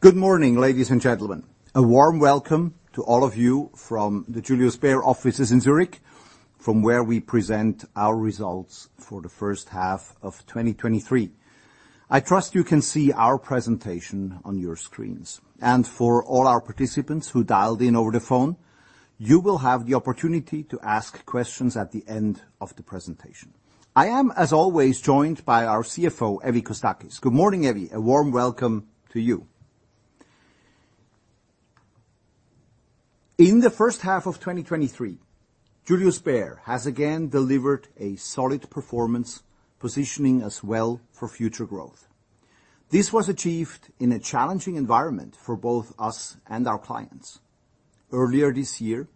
Good morning, ladies and gentlemen. A warm welcome to all of you from the Julius Bär offices in Zurich, from where we present our results for the first half of 2023. I trust you can see our presentation on your screens. For all our participants who dialed in over the phone, you will have the opportunity to ask questions at the end of the presentation. I am, as always, joined by our CFO, Evie Kostakis. Good morning, Evie. A warm welcome to you. In the first half of 2023, Julius Bär has again delivered a solid performance, positioning us well for future growth. This was achieved in a challenging environment for both us and our clients. Earlier this year,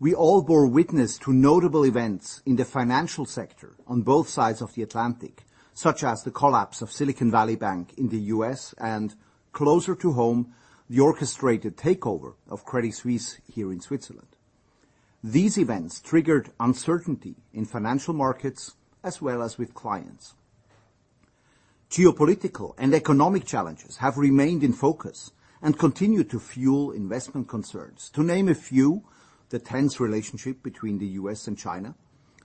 we all bore witness to notable events in the financial sector on both sides of the Atlantic, such as the collapse of Silicon Valley Bank in the U.S. and, closer to home, the orchestrated takeover of Credit Suisse here in Switzerland. These events triggered uncertainty in financial markets as well as with clients. Geopolitical and economic challenges have remained in focus and continue to fuel investment concerns. To name a few, the tense relationship between the U.S. and China,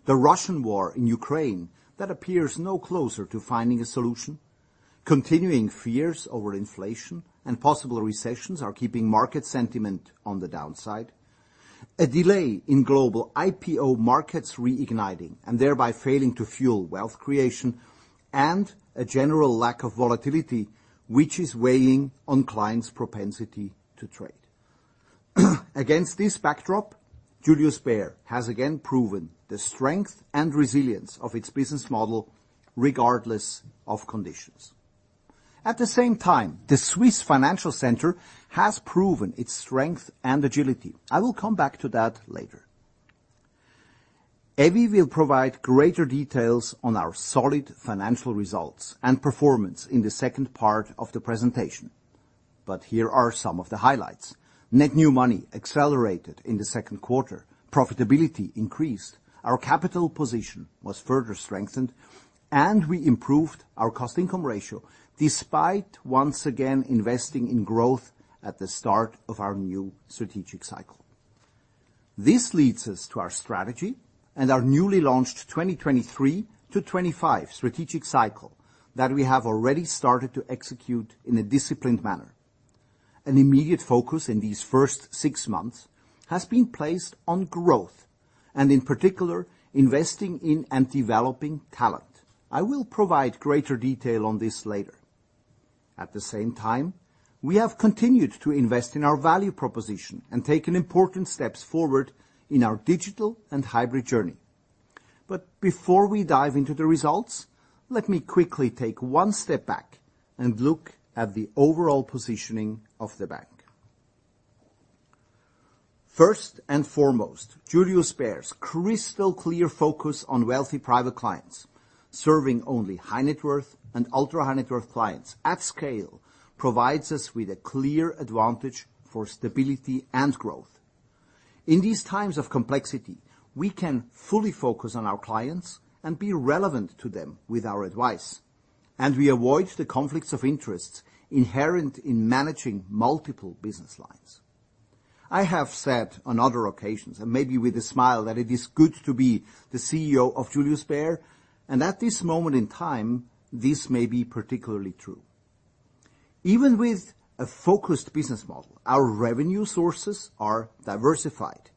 the Russian war in Ukraine that appears no closer to finding a solution, continuing fears over inflation and possible recessions are keeping market sentiment on the downside, a delay in global IPO markets reigniting and thereby failing to fuel wealth creation, and a general lack of volatility, which is weighing on clients' propensity to trade. Against this backdrop, Julius Bär has again proven the strength and resilience of its business model, regardless of conditions. At the same time, the Swiss financial centre has proven its strength and agility. I will come back to that later. Evie will provide greater details on our solid financial results and performance in the second part of the presentation, but here are some of the highlights. Net new money accelerated in the second quarter, profitability increased, our capital position was further strengthened, and we improved our cost-income ratio, despite once again investing in growth at the start of our new strategic cycle. This leads us to our strategy and our newly launched 2023-2025 strategic cycle that we have already started to execute in a disciplined manner. An immediate focus in these first six months has been placed on growth and, in particular, investing in and developing talent. I will provide greater detail on this later. At the same time, we have continued to invest in our value proposition and taken important steps forward in our digital and hybrid journey. Before we dive into the results, let me quickly take one step back and look at the overall positioning of the bank. First and foremost, Julius Bär's crystal-clear focus on wealthy private clients, serving only high-net-worth and ultra-high-net-worth clients at scale, provides us with a clear advantage for stability and growth. In these times of complexity, we can fully focus on our clients and be relevant to them with our advice, and we avoid the conflicts of interests inherent in managing multiple business lines. I have said on other occasions, and maybe with a smile, that it is good to be the CEO of Julius Bär, and at this moment in time, this may be particularly true. Even with a focused business model, our revenue sources are diversified.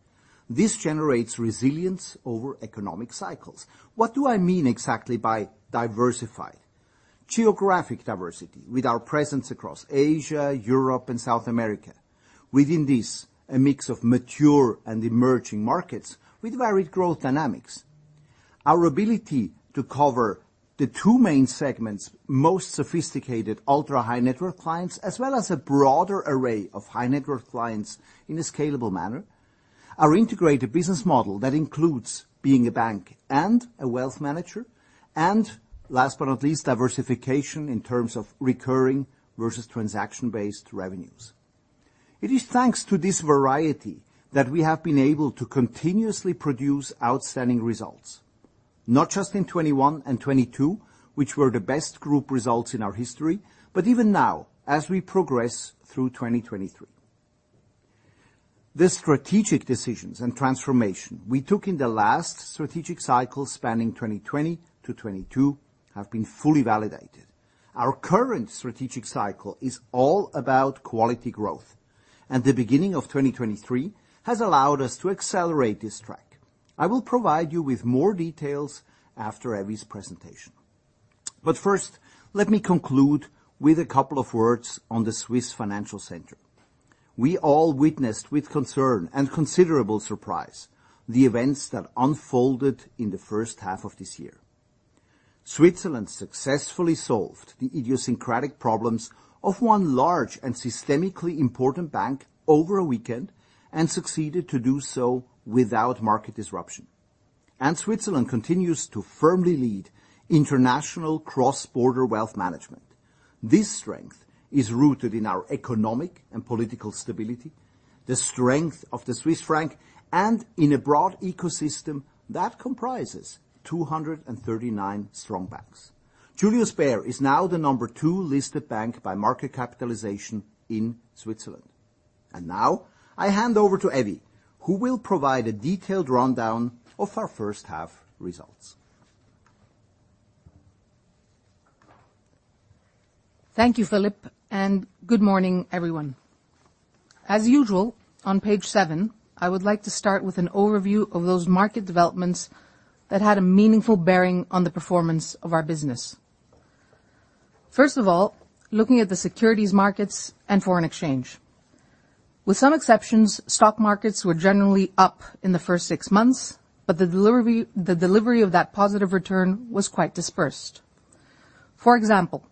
This generates resilience over economic cycles. What do I mean exactly by diversified? Geographic diversity with our presence across Asia, Europe, and South America. Within this, a mix of mature and emerging markets with varied growth dynamics. Our ability to cover the two main segments, most sophisticated ultra-high-net-worth clients, as well as a broader array of high-net-worth clients in a scalable manner. Our integrated business model that includes being a bank and a wealth manager. Last but not least, diversification in terms of recurring versus transaction-based revenues. It is thanks to this variety that we have been able to continuously produce outstanding results, not just in 2021 and 2022, which were the best group results in our history, but even now as we progress through 2023. The strategic decisions and transformation we took in the last strategic cycle, spanning 2020-2022, have been fully validated. Our current strategic cycle is all about quality growth. The beginning of 2023 has allowed us to accelerate this track. I will provide you with more details after Evie's presentation. First, let me conclude with a couple of words on the Swiss financial center. We all witnessed with concern and considerable surprise, the events that unfolded in the first half of this year. Switzerland successfully solved the idiosyncratic problems of one large and systemically important bank over a weekend and succeeded to do so without market disruption. Switzerland continues to firmly lead international cross-border wealth management. This strength is rooted in our economic and political stability, the strength of the Swiss franc, and in a broad ecosystem that comprises 239 strong banks. Julius Bär is now the number two listed bank by market capitalization in Switzerland. Now, I hand over to Evie, who will provide a detailed rundown of our first half results. Thank you, Philipppp, Good morning, everyone. As usual, on page seven, I would like to start with an overview of those market developments that had a meaningful bearing on the performance of our business. First of all, looking at the securities markets and foreign exchange. With some exceptions, stock markets were generally up in the first six months, The delivery of that positive return was quite dispersed. For example,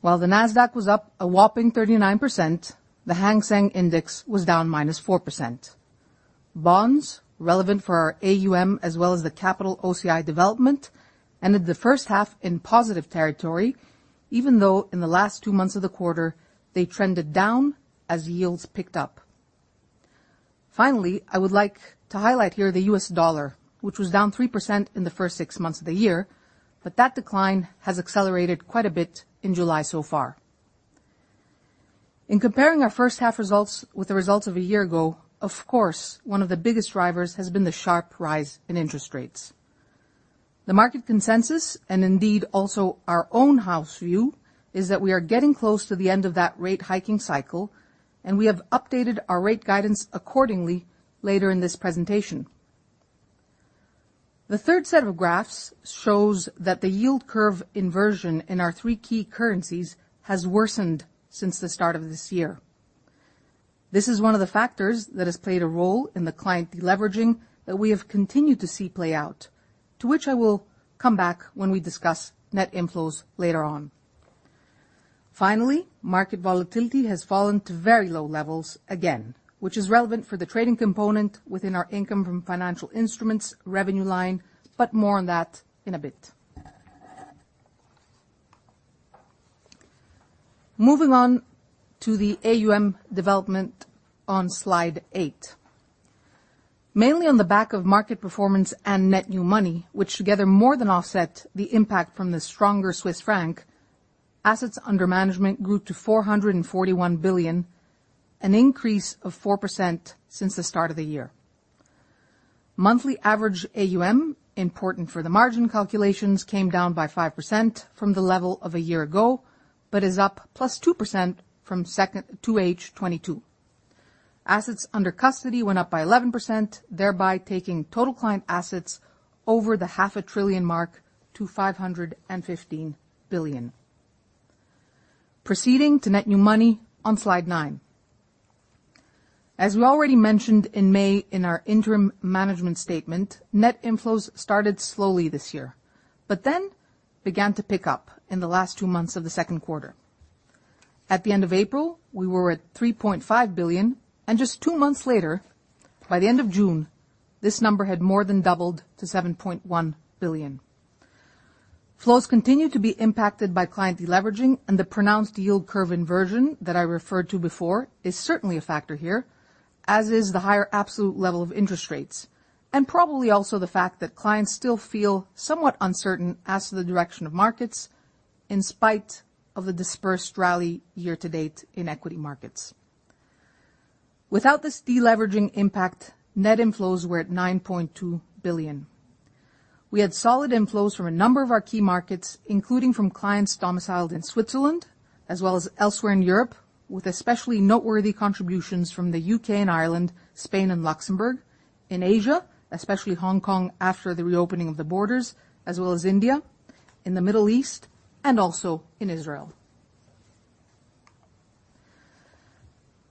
while the Nasdaq was up a whopping 39%, the Hang Seng Index was down -4%. Bonds, relevant for our AUM as well as the capital OCI development, ended the first half in positive territory, even though in the last two months of the quarter, they trended down as yields picked up. Finally, I would like to highlight here the U.S. dollar, which was down 3% in the first six months of the year, but that decline has accelerated quite a bit in July so far. In comparing our first half results with the results of a year ago, of course, one of the biggest drivers has been the sharp rise in interest rates. The market consensus, and indeed also our own house view, is that we are getting close to the end of that rate hiking cycle, and we have updated our rate guidance accordingly later in this presentation. The third set of graphs shows that the yield curve inversion in our three key currencies has worsened since the start of this year. This is one of the factors that has played a role in the client deleveraging that we have continued to see play out, to which I will come back when we discuss net inflows later on. Finally, market volatility has fallen to very low levels, again, which is relevant for the trading component within our income from financial instruments revenue line, but more on that in a bit. Moving on to the AUM development on slide eight. Mainly on the back of market performance and net new money, which together more than offset the impact from the stronger Swiss franc, assets under management grew to 441 billion, an increase of 4% since the start of the year. Monthly average AUM, important for the margin calculations, came down by 5% from the level of a year ago, is up +2% from second 2H 2022. Assets under custody went up by 11%, thereby taking total client assets over the half a trillion mark to 515 billion. Proceeding to net new money on slide nine. As we already mentioned in May in our interim management statement, net inflows started slowly this year, began to pick up in the last two months of the second quarter. At the end of April, we were at 3.5 billion, and just two months later, by the end of June, this number had more than doubled to 7.1 billion. Flows continue to be impacted by client deleveraging, and the pronounced yield curve inversion that I referred to before is certainly a factor here, as is the higher absolute level of interest rates, and probably also the fact that clients still feel somewhat uncertain as to the direction of markets, in spite of the dispersed rally year to date in equity markets. Without this deleveraging impact, net inflows were at 9.2 billion. We had solid inflows from a number of our key markets, including from clients domiciled in Switzerland as well as elsewhere in Europe, with especially noteworthy contributions from the U.K. and Ireland, Spain and Luxembourg, in Asia, especially Hong Kong, after the reopening of the borders, as well as India, in the Middle East and also in Israel.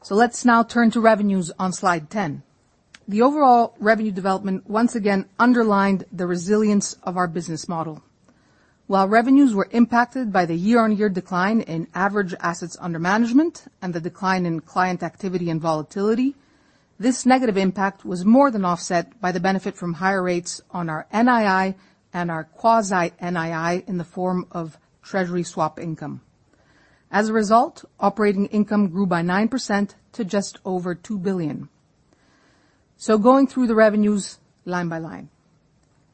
Let's now turn to revenues on slide 10. The overall revenue development once again underlined the resilience of our business model. While revenues were impacted by the year-on-year decline in average assets under management and the decline in client activity and volatility, this negative impact was more than offset by the benefit from higher rates on our NII and our quasi-NII in the form of Treasury swap income. As a result, operating income grew by 9% to just over 2 billion. Going through the revenues line by line.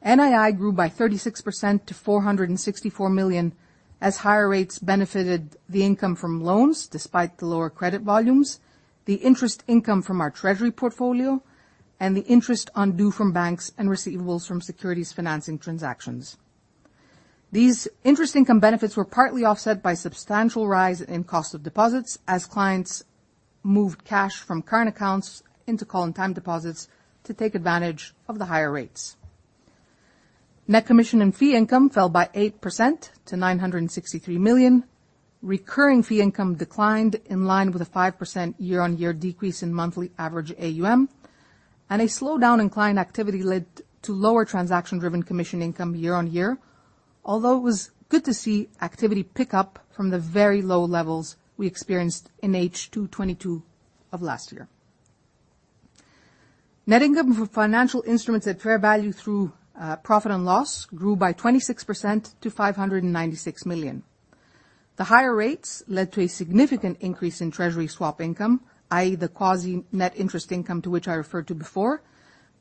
NII grew by 36% to 464 million, as higher rates benefited the income from loans despite the lower credit volumes, the interest income from our treasury portfolio, and the interest on due from banks and receivables from securities financing transactions. These interest income benefits were partly offset by substantial rise in cost of deposits as clients moved cash from current accounts into call and time deposits to take advantage of the higher rates. Net commission and fee income fell by 8% to 963 million. Recurring fee income declined in line with a 5% year-on-year decrease in monthly average AUM, and a slowdown in client activity led to lower transaction-driven commission income year-on-year, although it was good to see activity pick up from the very low levels we experienced in H2 2022 of last year. Net income from financial instruments at fair value through profit and loss grew by 26% to 596 million. The higher rates led to a significant increase in treasury swap income, i.e., the quasi-net interest income to which I referred to before.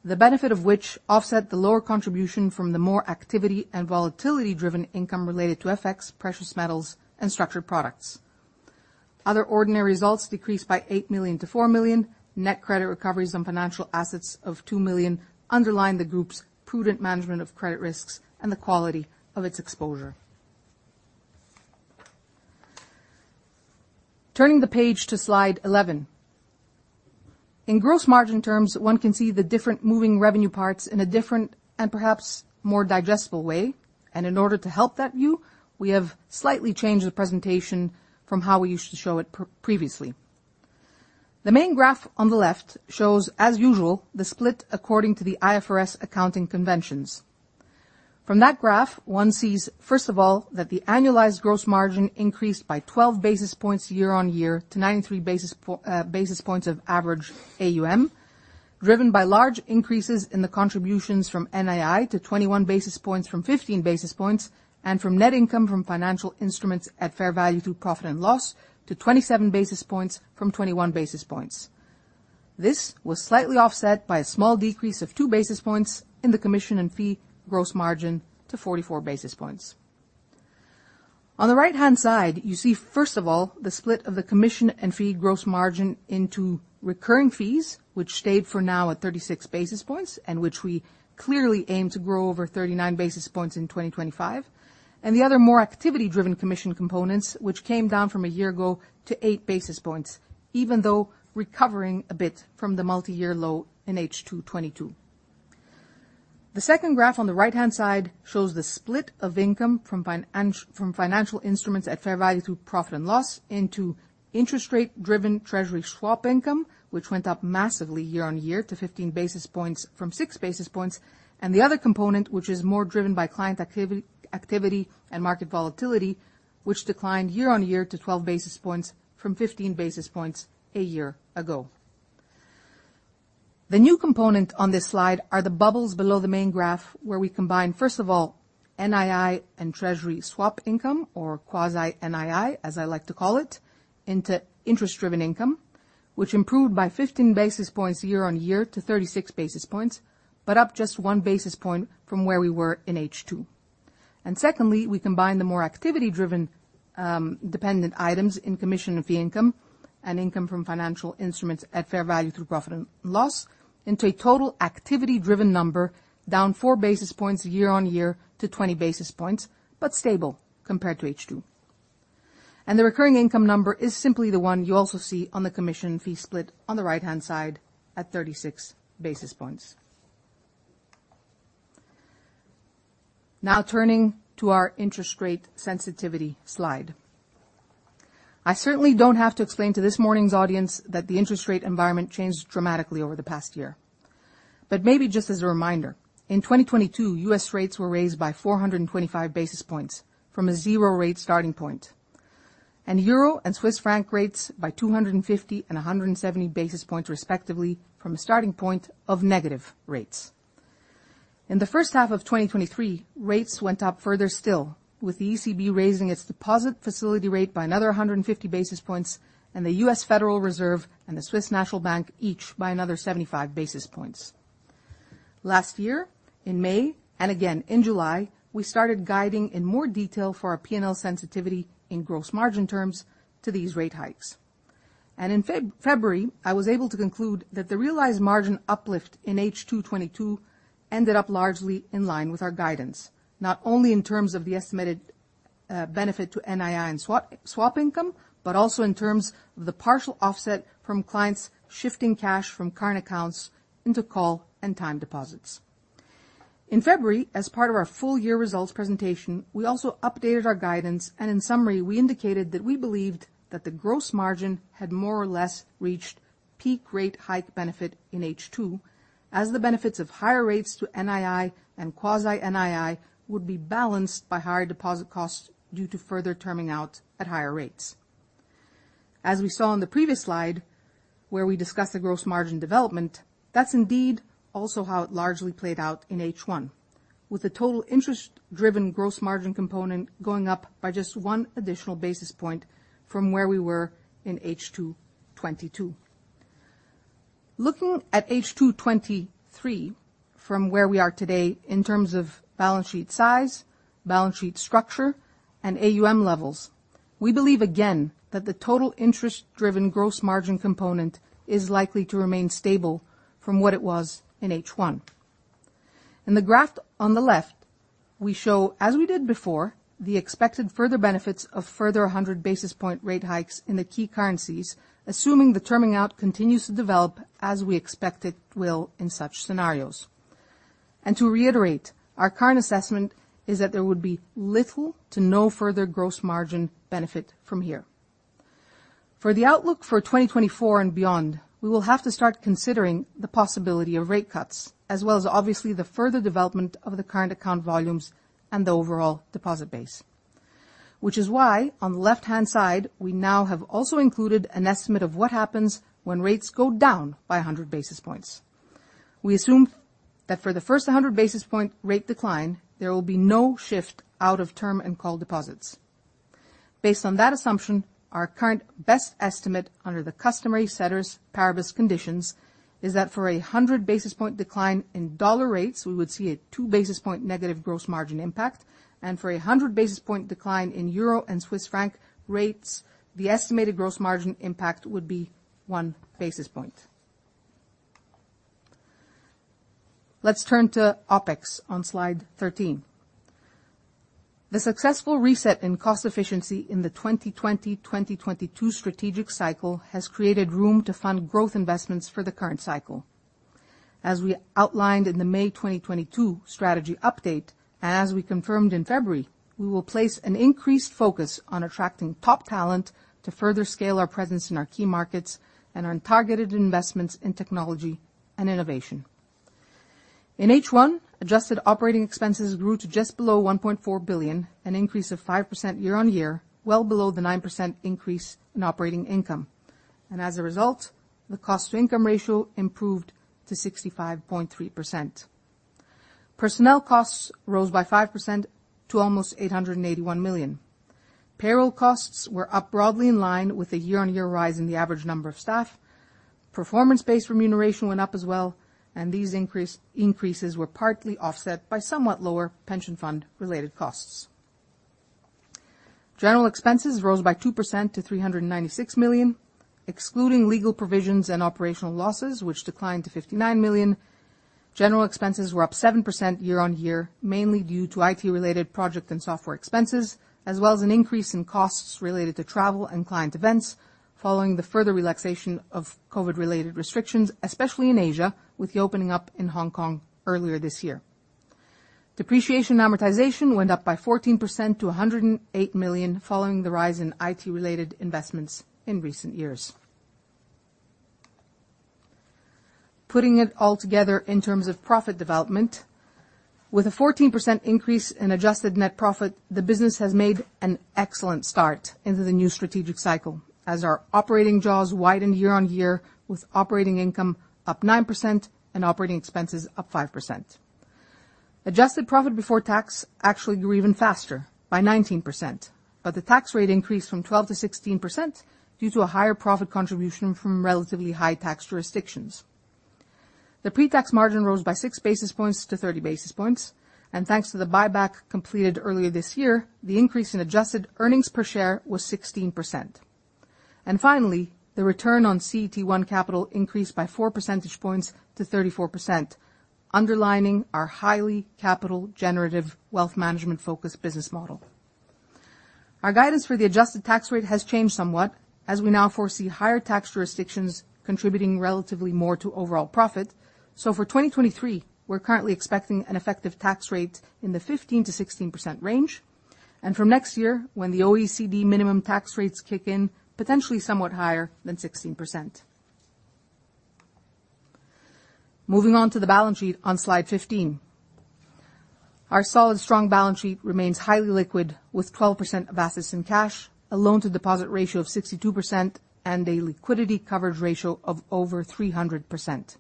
The benefit of which offset the lower contribution from the more activity and volatility-driven income related to FX, precious metals, and structured products. Other ordinary results decreased by 8 million-4 million. Net credit recoveries on financial assets of 2 million underline the group's prudent management of credit risks and the quality of its exposure. Turning the page to slide 11. In gross margin terms, one can see the different moving revenue parts in a different and perhaps more digestible way, in order to help that view, we have slightly changed the presentation from how we used to show it previously. The main graph on the left shows, as usual, the split according to the IFRS accounting conventions. From that graph, one sees, first of all, that the annualized gross margin increased by 12 basis points year-on-year to 93 basis points of average AUM, driven by large increases in the contributions from NII to 21 basis points from 15 basis points, and from net income from financial instruments at fair value through profit and loss to 27 basis points from 21 basis points. This was slightly offset by a small decrease of two basis points in the commission and fee gross margin to 44 basis points. The right-hand side, you see, first of all, the split of the commission and fee gross margin into recurring fees, which stayed for now at 36 basis points, and which we clearly aim to grow over 39 basis points in 2025. The other more activity-driven commission components, which came down from a year ago to eight basis points, even though recovering a bit from the multi-year low in H2 2022. The second graph on the right-hand side shows the split of income from financial instruments at fair value through profit and loss into interest rate-driven treasury swap income, which went up massively year-on-year to 15 basis points from six basis points, and the other component, which is more driven by client activity and market volatility, which declined year-on-year to 12 basis points from 15 basis points a year ago. The new component on this slide are the bubbles below the main graph, where we combine, first of all, NII and Treasury swap income or quasi NII, as I like to call it, into interest-driven income, which improved by 15 basis points year-on-year to 36 basis points, but up just 1 basis point from where we were in H2. Secondly, we combine the more activity-driven dependent items in commission and fee income and income from financial instruments at fair value through profit and loss into a total activity-driven number, down four basis points year-on-year to 20 basis points, but stable compared to H2. The recurring income number is simply the one you also see on the commission fee split on the right-hand side at 36 basis points. Now, turning to our interest rate sensitivity slide. I certainly don't have to explain to this morning's audience that the interest rate environment changed dramatically over the past year. Maybe just as a reminder, in 2022, U.S. rates were raised by 425 basis points from a zero rate starting point, and EUR and Swiss franc rates by 250 and 170 basis points, respectively, from a starting point of negative rates. In the first half of 2023, rates went up further still, with the ECB raising its deposit facility rate by another 150 basis points and the U.S. Federal Reserve and the Swiss National Bank each by another 75 basis points. Last year, in May, and again in July, we started guiding in more detail for our P&L sensitivity in gross margin terms to these rate hikes. In February, I was able to conclude that the realized margin uplift in H2 2022 ended up largely in line with our guidance, not only in terms of the estimated benefit to NII and swap income, but also in terms of the partial offset from clients shifting cash from current accounts into call and time deposits. In February, as part of our full-year results presentation, we also updated our guidance. In summary, we indicated that we believed that the gross margin had more or less reached peak rate hike benefit in H2, as the benefits of higher rates to NII and quasi NII would be balanced by higher deposit costs due to further terming out at higher rates. As we saw in the previous slide, where we discussed the gross margin development, that's indeed also how it largely played out in H1, with the total interest-driven gross margin component going up by just one additional basis point from where we were in H2 2022. Looking at H2 2023, from where we are today in terms of balance sheet size, balance sheet structure, and AUM levels, we believe again that the total interest-driven gross margin component is likely to remain stable from what it was in H1. In the graph on the left, we show, as we did before, the expected further benefits of further 100 basis point rate hikes in the key currencies, assuming the terming out continues to develop as we expect it will in such scenarios. To reiterate, our current assessment is that there would be little to no further gross margin benefit from here. For the outlook for 2024 and beyond, we will have to start considering the possibility of rate cuts, as well as obviously the further development of the current account volumes and the overall deposit base. On the left-hand side, we now have also included an estimate of what happens when rates go down by 100 basis points. We assume that for the first 100 basis point rate decline, there will be no shift out of term and call deposits. Based on that assumption, our current best estimate under the customary ceteris paribus conditions, is that for a 100 basis point decline in dollar rates, we would see a 2 basis point negative gross margin impact, and for a 100 basis point decline in euro and Swiss franc rates, the estimated gross margin impact would be 1 basis point. Let's turn to OpEx on slide 13. The successful reset in cost efficiency in the 2020, 2022 strategic cycle has created room to fund growth investments for the current cycle. As we outlined in the May 2022 strategy update, and as we confirmed in February, we will place an increased focus on attracting top talent to further scale our presence in our key markets and on targeted investments in technology and innovation. In H1, adjusted operating expenses grew to just below 1.4 billion, an increase of 5% year-on-year, well below the 9% increase in operating income. As a result, the cost-income ratio improved to 65.3%. Personnel costs rose by 5% to almost 881 million. Payroll costs were up broadly in line with a year-on-year rise in the average number of staff. Performance-based remuneration went up as well. These increases were partly offset by somewhat lower pension fund related costs. General expenses rose by 2% to 396 million, excluding legal provisions and operational losses, which declined to 59 million. General expenses were up 7% year-on-year, mainly due to IT-related project and software expenses, as well as an increase in costs related to travel and client events, following the further relaxation of COVID-related restrictions, especially in Asia, with the opening up in Hong Kong earlier this year. Depreciation and amortization went up by 14% to 108 million, following the rise in IT-related investments in recent years. Putting it all together in terms of profit development, with a 14% increase in adjusted net profit, the business has made an excellent start into the new strategic cycle, as our operating jaws widened year-on-year, with operating income up 9% and operating expenses up 5%. Adjusted profit before tax actually grew even faster, by 19%. The tax rate increased from 12%-16% due to a higher profit contribution from relatively high tax jurisdictions. The pre-tax margin rose by six basis points to 30 basis points. Thanks to the buyback completed earlier this year, the increase in adjusted earnings per share was 16%. Finally, the return on CET1 capital increased by 4 percentage points to 34%, underlining our highly capital generative wealth management-focused business model. Our guidance for the adjusted tax rate has changed somewhat as we now foresee higher tax jurisdictions contributing relatively more to overall profit. For 2023, we're currently expecting an effective tax rate in the 15%-16% range, and from next year, when the OECD minimum tax rates kick in, potentially somewhat higher than 16%. Moving on to the balance sheet on slide 15. Our solid, strong balance sheet remains highly liquid, with 12% of assets in cash, a loan-to-deposit ratio of 62%, and a liquidity coverage ratio of over 300%.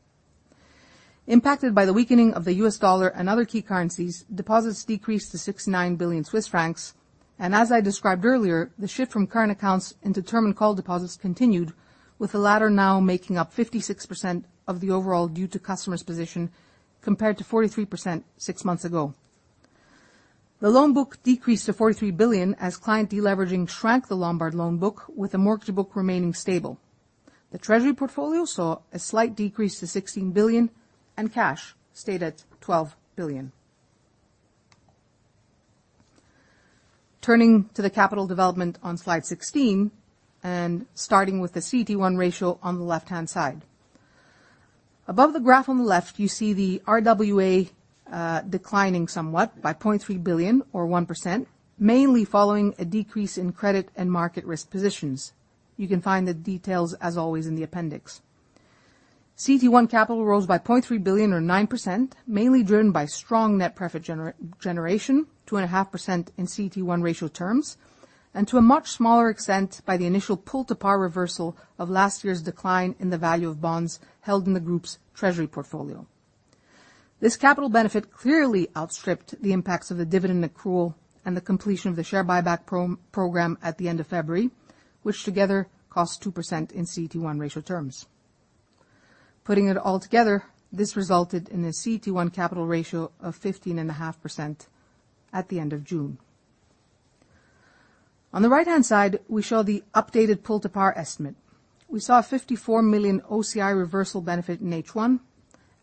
Impacted by the weakening of the U.S. dollar and other key currencies, deposits decreased to 69 billion Swiss francs. As I described earlier, the shift from current accounts into term and call deposits continued, with the latter now making up 56% of the overall due to customers' position, compared to 43% 6 months ago. The loan book decreased to 43 billion as client deleveraging shrank the Lombard loan book, with the mortgage book remaining stable. The treasury portfolio saw a slight decrease to 16 billion. Cash stayed at 12 billion. Turning to the capital development on slide 16, starting with the CET1 ratio on the left-hand side. Above the graph on the left, you see the RWA declining somewhat by 0.3 billion or 1%, mainly following a decrease in credit and market risk positions. You can find the details, as always, in the appendix. CET1 capital rose by 0.3 billion or 9%, mainly driven by strong net profit generation, 2.5% in CET1 ratio terms, and to a much smaller extent, by the initial pull to par reversal of last year's decline in the value of bonds held in the group's treasury portfolio. This capital benefit clearly outstripped the impacts of the dividend accrual and the completion of the share buyback program at the end of February, which together cost 2% in CET1 ratio terms. Putting it all together, this resulted in a CET1 capital ratio of 15.5% at the end of June. On the right-hand side, we show the updated pull to par estimate. We saw a 54 million OCI reversal benefit in H1,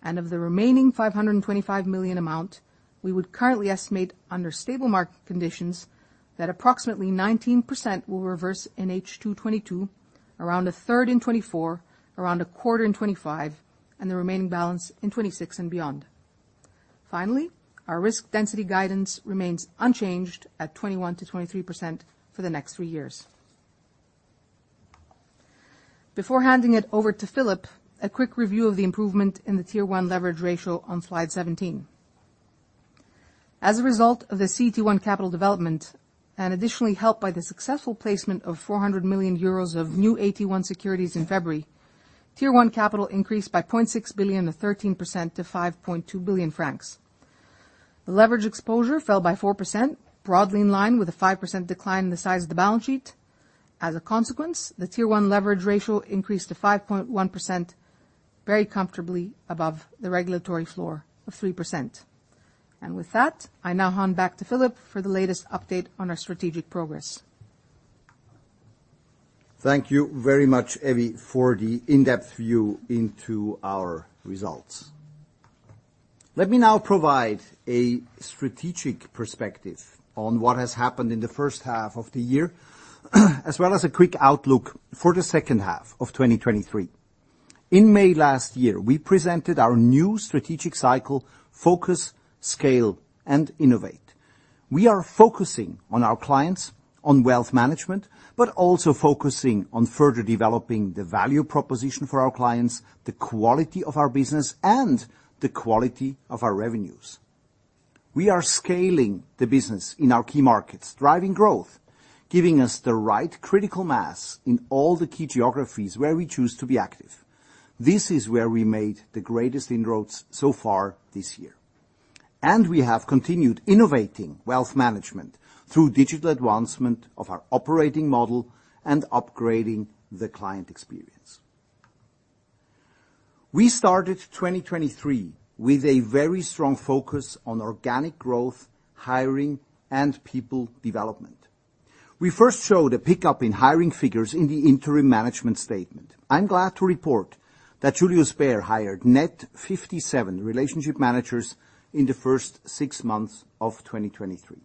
and of the remaining 525 million amount, we would currently estimate under stable market conditions, that approximately 19% will reverse in H2 2022, around a third in 2024, around a quarter in 2025, and the remaining balance in 2026 and beyond. Finally, our risk density guidance remains unchanged at 21%-23% for the next three years. Before handing it over to Philippp, a quick review of the improvement in the Tier 1 leverage ratio on slide 17. As a result of the CET1 capital development, and additionally helped by the successful placement of 400 million euros of new AT1 securities in February, Tier 1 capital increased by 0.6 billion, or 13%, to 5.2 billion francs. The leverage exposure fell by 4%, broadly in line with a 5% decline in the size of the balance sheet. As a consequence, the Tier 1 leverage ratio increased to 5.1%, very comfortably above the regulatory floor of 3%. With that, I now hand back to Philipp for the latest update on our strategic progress. Thank you very much, Evie, for the in-depth view into our results. Let me now provide a strategic perspective on what has happened in the first half of the year, as well as a quick outlook for the second half of 2023. In May last year, we presented our new strategic cycle: focus, scale, and innovate. We are focusing on our clients, on wealth management, but also focusing on further developing the value proposition for our clients, the quality of our business, and the quality of our revenues. We are scaling the business in our key markets, driving growth, giving us the right critical mass in all the key geographies where we choose to be active. This is where we made the greatest inroads so far this year. We have continued innovating wealth management through digital advancement of our operating model and upgrading the client experience. We started 2023 with a very strong focus on organic growth, hiring, and people development. We first showed a pickup in hiring figures in the interim management statement. I'm glad to report that Julius Bär hired net 57 relationship managers in the first six months of 2023.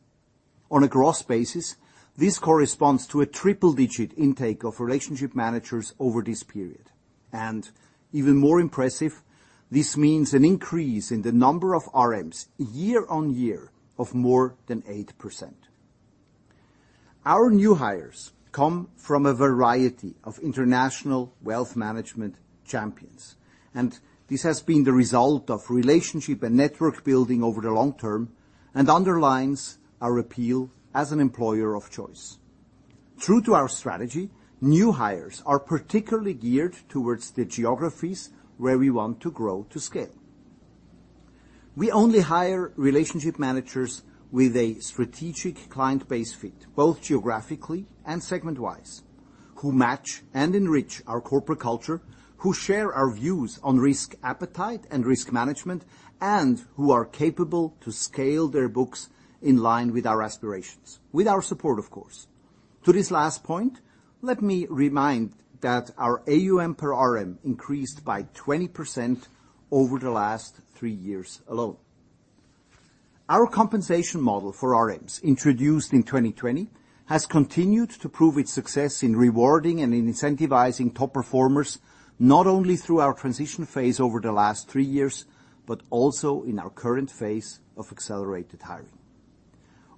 On a gross basis, this corresponds to a triple-digit intake of relationship managers over this period, and even more impressive, this means an increase in the number of RMs year-on-year of more than 8%. Our new hires come from a variety of international wealth management champions, and this has been the result of relationship and network building over the long term, and underlines our appeal as an employer of choice. True to our strategy, new hires are particularly geared towards the geographies where we want to grow to scale. We only hire relationship managers with a strategic client base fit, both geographically and segment-wise, who match and enrich our corporate culture, who share our views on risk appetite and risk management, and who are capable to scale their books in line with our aspirations, with our support, of course. To this last point, let me remind that our AUM per RM increased by 20% over the last three years alone. Our compensation model for RMs, introduced in 2020, has continued to prove its success in rewarding and in incentivizing top performers, not only through our transition phase over the last three years, but also in our current phase of accelerated hiring.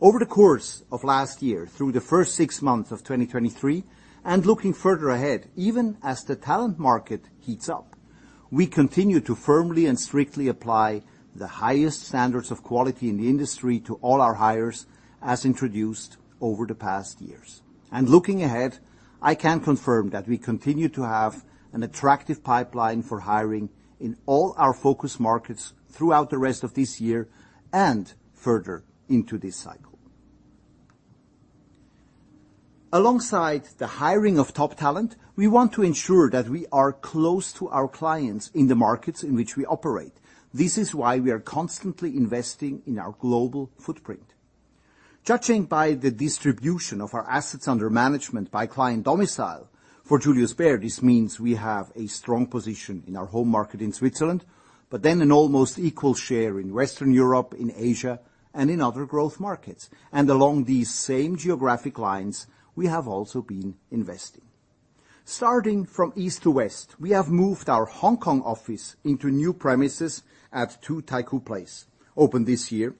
Over the course of last year, through the first six months of 2023, looking further ahead, even as the talent market heats up, we continue to firmly and strictly apply the highest standards of quality in the industry to all our hires, as introduced over the past years. Looking ahead, I can confirm that we continue to have an attractive pipeline for hiring in all our focus markets throughout the rest of this year and further into this cycle. Alongside the hiring of top talent, we want to ensure that we are close to our clients in the markets in which we operate. This is why we are constantly investing in our global footprint. Judging by the distribution of our assets under management by client domicile, for Julius Bär, this means we have a strong position in our home market in Switzerland, but then an almost equal share in Western Europe, in Asia, and in other growth markets. Along these same geographic lines, we have also been investing. Starting from east to west, we have moved our Hong Kong office into new premises at Two Taikoo Place, opened this year.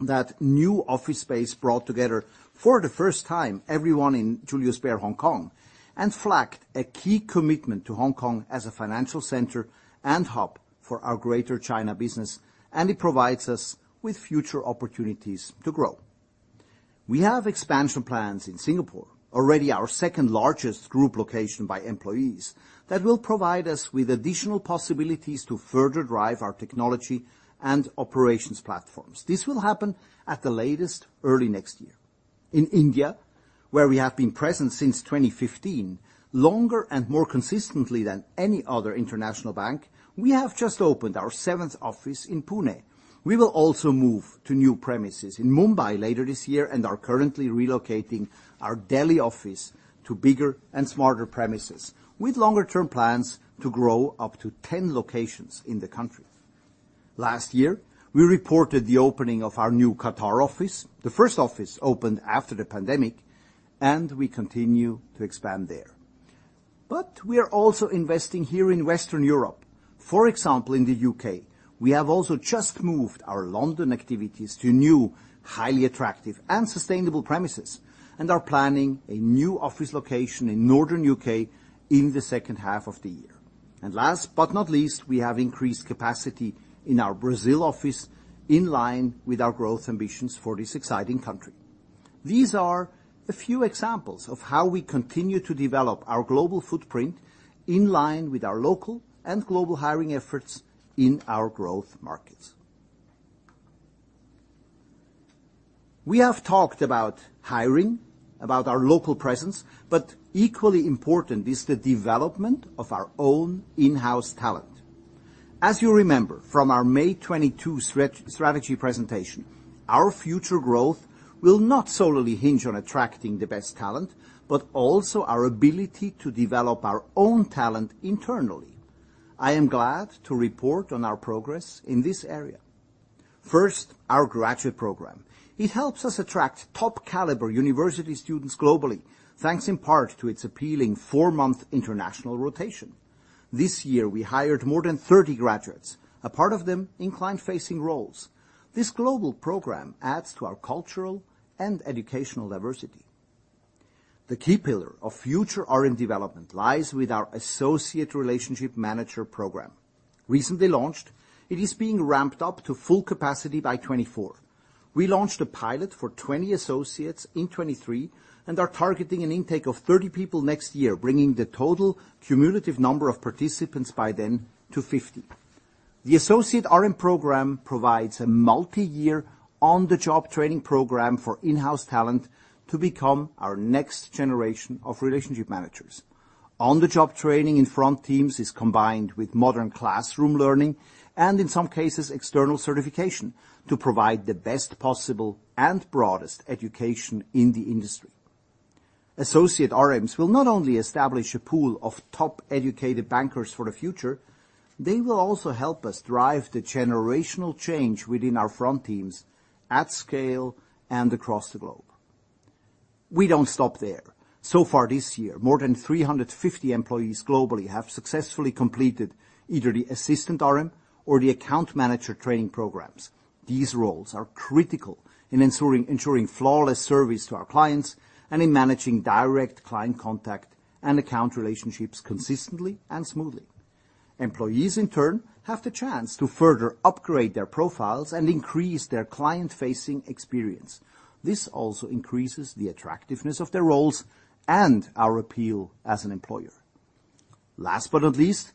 That new office space brought together, for the first time, everyone in Julius Bär Hong Kong, and flagged a key commitment to Hong Kong as a financial center and hub for our Greater China business, and it provides us with future opportunities to grow. We have expansion plans in Singapore, already our second-largest group location by employees, that will provide us with additional possibilities to further drive our technology and operations platforms. This will happen at the latest, early next year. In India, where we have been present since 2015, longer and more consistently than any other international bank, we have just opened our seventh office in Pune. We will also move to new premises in Mumbai later this year, and are currently relocating our Delhi office to bigger and smarter premises, with longer term plans to grow up to 10 locations in the country. Last year, we reported the opening of our new Qatar office, the first office opened after the pandemic, and we continue to expand there. We are also investing here in Western Europe.... For example, in the U.K., we have also just moved our London activities to new, highly attractive and sustainable premises, and are planning a new office location in Northern U.K. in the second half of the year. Last but not least, we have increased capacity in our Brazil office, in line with our growth ambitions for this exciting country. These are a few examples of how we continue to develop our global footprint in line with our local and global hiring efforts in our growth markets. We have talked about hiring, about our local presence, but equally important is the development of our own in-house talent. As you remember from our May 22 strategy presentation, our future growth will not solely hinge on attracting the best talent, but also our ability to develop our own talent internally. I am glad to report on our progress in this area. First, our graduate program. It helps us attract top-caliber university students globally, thanks in part to its appealing four-month international rotation. This year, we hired more than 30 graduates, a part of them in client-facing roles. This global program adds to our cultural and educational diversity. The key pillar of future RM development lies with our Associate Relationship Manager Program. Recently launched, it is being ramped up to full capacity by 2024. We launched a pilot for 20 associates in 2023, and are targeting an intake of 30 people next year, bringing the total cumulative number of participants by then to 50. The Associate RM Program provides a multi-year, on-the-job training program for in-house talent to become our next generation of relationship managers. On-the-job training in front teams is combined with modern classroom learning, and in some cases, external certification, to provide the best possible and broadest education in the industry. Associate RMs will not only establish a pool of top-educated bankers for the future, they will also help us drive the generational change within our front teams at scale and across the globe. We don't stop there. So far this year, more than 350 employees globally have successfully completed either the assistant RM or the account manager training programs. These roles are critical in ensuring flawless service to our clients and in managing direct client contact and account relationships consistently and smoothly. Employees, in turn, have the chance to further upgrade their profiles and increase their client-facing experience. This also increases the attractiveness of their roles and our appeal as an employer. Last but not least,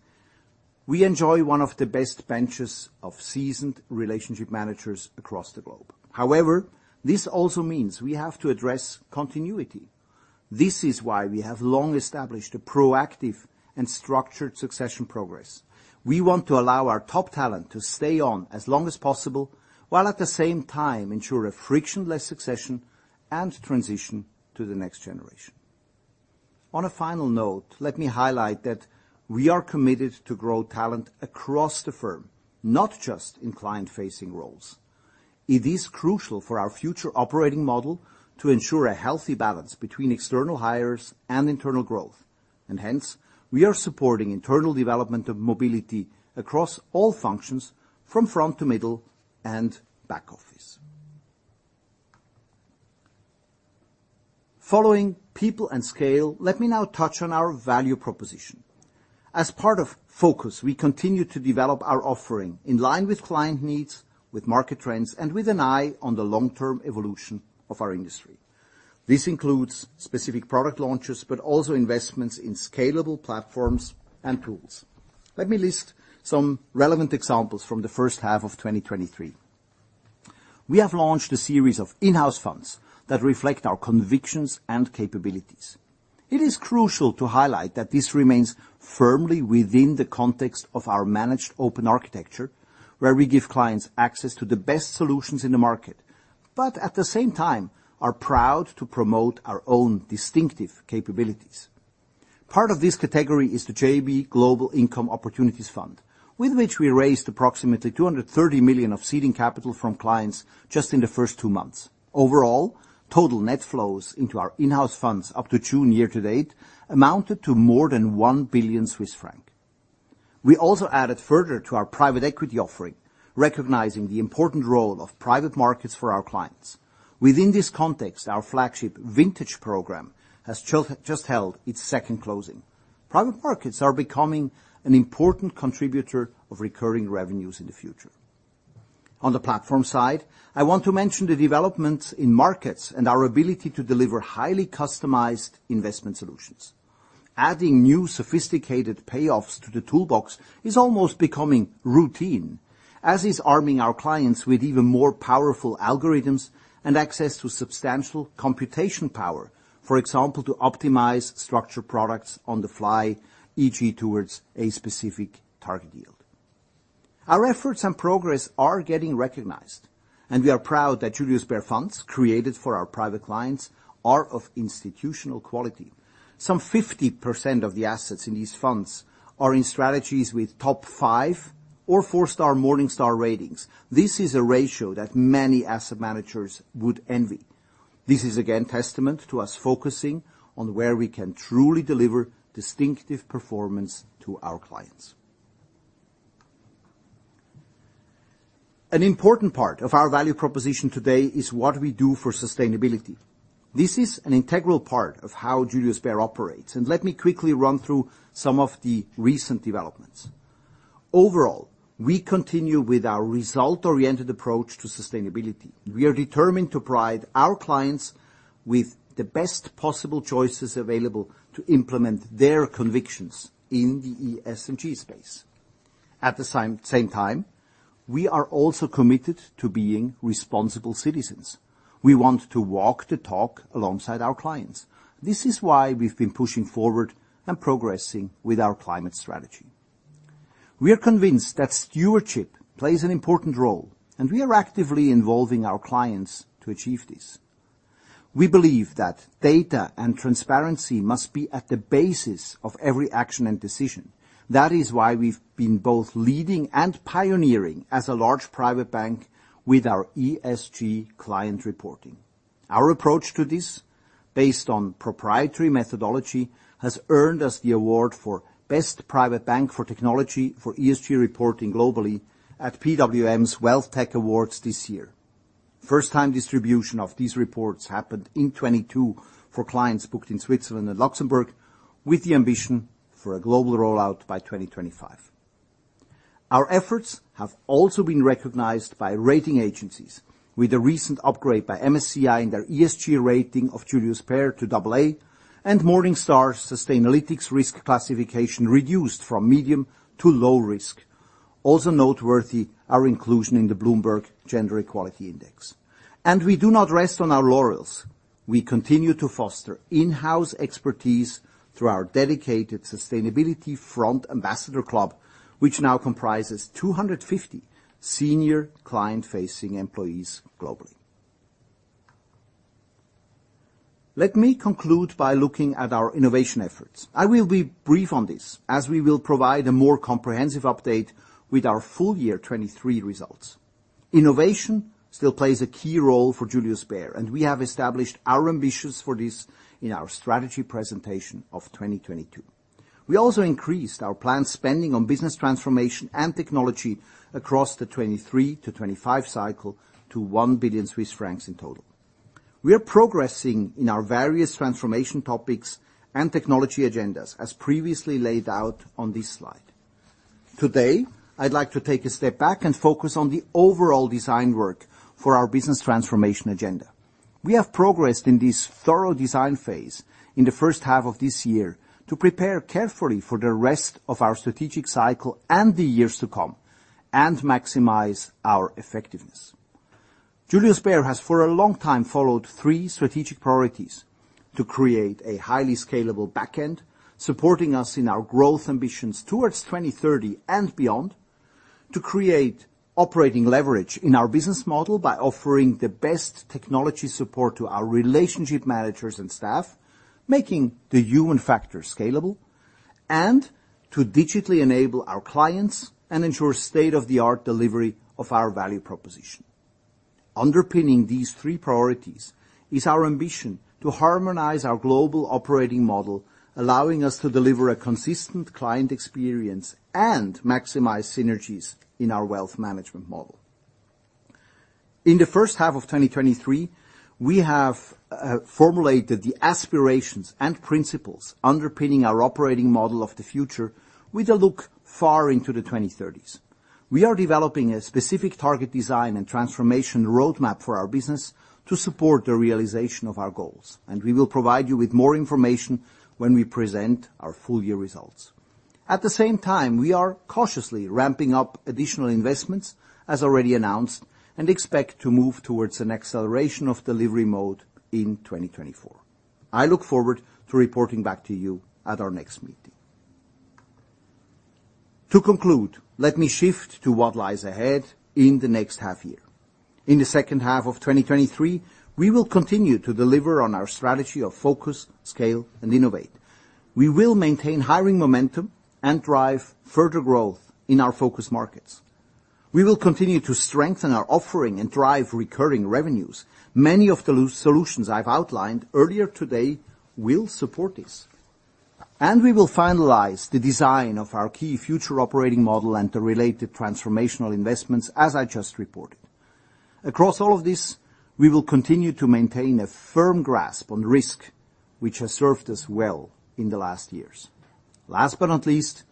we enjoy one of the best benches of seasoned relationship managers across the globe. However, this also means we have to address continuity. This is why we have long established a proactive and structured succession progress. We want to allow our top talent to stay on as long as possible, while at the same time ensure a frictionless succession and transition to the next generation. On a final note, let me highlight that we are committed to grow talent across the firm, not just in client-facing roles. It is crucial for our future operating model to ensure a healthy balance between external hires and internal growth, and hence, we are supporting internal development of mobility across all functions, from front to middle and back office. Following people and scale, let me now touch on our value proposition. As part of focus, we continue to develop our offering in line with client needs, with market trends, and with an eye on the long-term evolution of our industry. This includes specific product launches, but also investments in scalable platforms and tools. Let me list some relevant examples from the first half of 2023. We have launched a series of in-house funds that reflect our convictions and capabilities. It is crucial to highlight that this remains firmly within the context of our managed open architecture, where we give clients access to the best solutions in the market, but at the same time, are proud to promote our own distinctive capabilities. Part of this category is the Julius Bär Global Income Opportunities Fund, with which we raised approximately 230 million of seeding capital from clients just in the first two months. Overall, total net flows into our in-house funds up to June year to date amounted to more than 1 billion Swiss francs. We also added further to our private equity offering, recognizing the important role of private markets for our clients. Within this context, our flagship vintage program has just held its second closing. Private markets are becoming an important contributor of recurring revenues in the future. On the platform side, I want to mention the developments in markets and our ability to deliver highly customized investment solutions. Adding new sophisticated payoffs to the toolbox is almost becoming routine, as is arming our clients with even more powerful algorithms and access to substantial computation power. For example, to optimize structured products on the fly, e.g., towards a specific target yield. Our efforts and progress are getting recognized, and we are proud that Julius Bär Funds, created for our private clients, are of institutional quality. Some 50% of the assets in these funds are in strategies with top five or four-star Morningstar ratings. This is a ratio that many asset managers would envy. This is again testament to us focusing on where we can truly deliver distinctive performance to our clients. An important part of our value proposition today is what we do for sustainability. This is an integral part of how Julius Bär operates. Let me quickly run through some of the recent developments. Overall, we continue with our result-oriented approach to sustainability. We are determined to provide our clients with the best possible choices available to implement their convictions in the ESG space. At the same time, we are also committed to being responsible citizens. We want to walk the talk alongside our clients. This is why we've been pushing forward and progressing with our climate strategy. We are convinced that stewardship plays an important role. We are actively involving our clients to achieve this. We believe that data and transparency must be at the basis of every action and decision. We've been both leading and pioneering as a large private bank with our ESG client reporting. Our approach to this, based on proprietary methodology, has earned us the award for Best Private Bank for Technology for ESG reporting globally at PWM's Wealth Tech Awards this year. First time distribution of these reports happened in 2022 for clients booked in Switzerland and Luxembourg, with the ambition for a global rollout by 2025. Our efforts have also been recognized by rating agencies, with a recent upgrade by MSCI in their ESG rating of Julius Bär to AA, and Morningstar's Sustainalytics risk classification reduced from medium to low risk. Also noteworthy, our inclusion in the Bloomberg Gender Equality Index. We do not rest on our laurels. We continue to foster in-house expertise through our dedicated sustainability front ambassador club, which now comprises 250 senior client-facing employees globally. Let me conclude by looking at our innovation efforts. I will be brief on this, as we will provide a more comprehensive update with our full year 2023 results. Innovation still plays a key role for Julius Bär, and we have established our ambitions for this in our strategy presentation of 2022. We also increased our planned spending on business transformation and technology across the 2023 to 2025 cycle to 1 billion Swiss francs in total. We are progressing in our various transformation topics and technology agendas, as previously laid out on this slide. Today, I'd like to take a step back and focus on the overall design work for our business transformation agenda. We have progressed in this thorough design phase in the first half of this year to prepare carefully for the rest of our strategic cycle and the years to come, and maximize our effectiveness. Julius Bär has, for a long time, followed three strategic priorities: to create a highly scalable backend, supporting us in our growth ambitions towards 2030 and beyond. To create operating leverage in our business model by offering the best technology support to our relationship managers and staff, making the human factor scalable. To digitally enable our clients and ensure state-of-the-art delivery of our value proposition. Underpinning these three priorities is our ambition to harmonize our global operating model, allowing us to deliver a consistent client experience and maximize synergies in our wealth management model. In the first half of 2023, we have formulated the aspirations and principles underpinning our operating model of the future with a look far into the 2030s. We are developing a specific target design and transformation roadmap for our business to support the realization of our goals, and we will provide you with more information when we present our full year results. At the same time, we are cautiously ramping up additional investments, as already announced, and expect to move towards an acceleration of delivery mode in 2024. I look forward to reporting back to you at our next meeting. To conclude, let me shift to what lies ahead in the next half year. In the second half of 2023, we will continue to deliver on our strategy of focus, scale, and innovate. We will maintain hiring momentum and drive further growth in our focus markets. We will continue to strengthen our offering and drive recurring revenues. Many of the solutions I've outlined earlier today will support this. We will finalize the design of our key future operating model and the related transformational investments, as I just reported. Across all of this, we will continue to maintain a firm grasp on risk, which has served us well in the last years. Last but not least,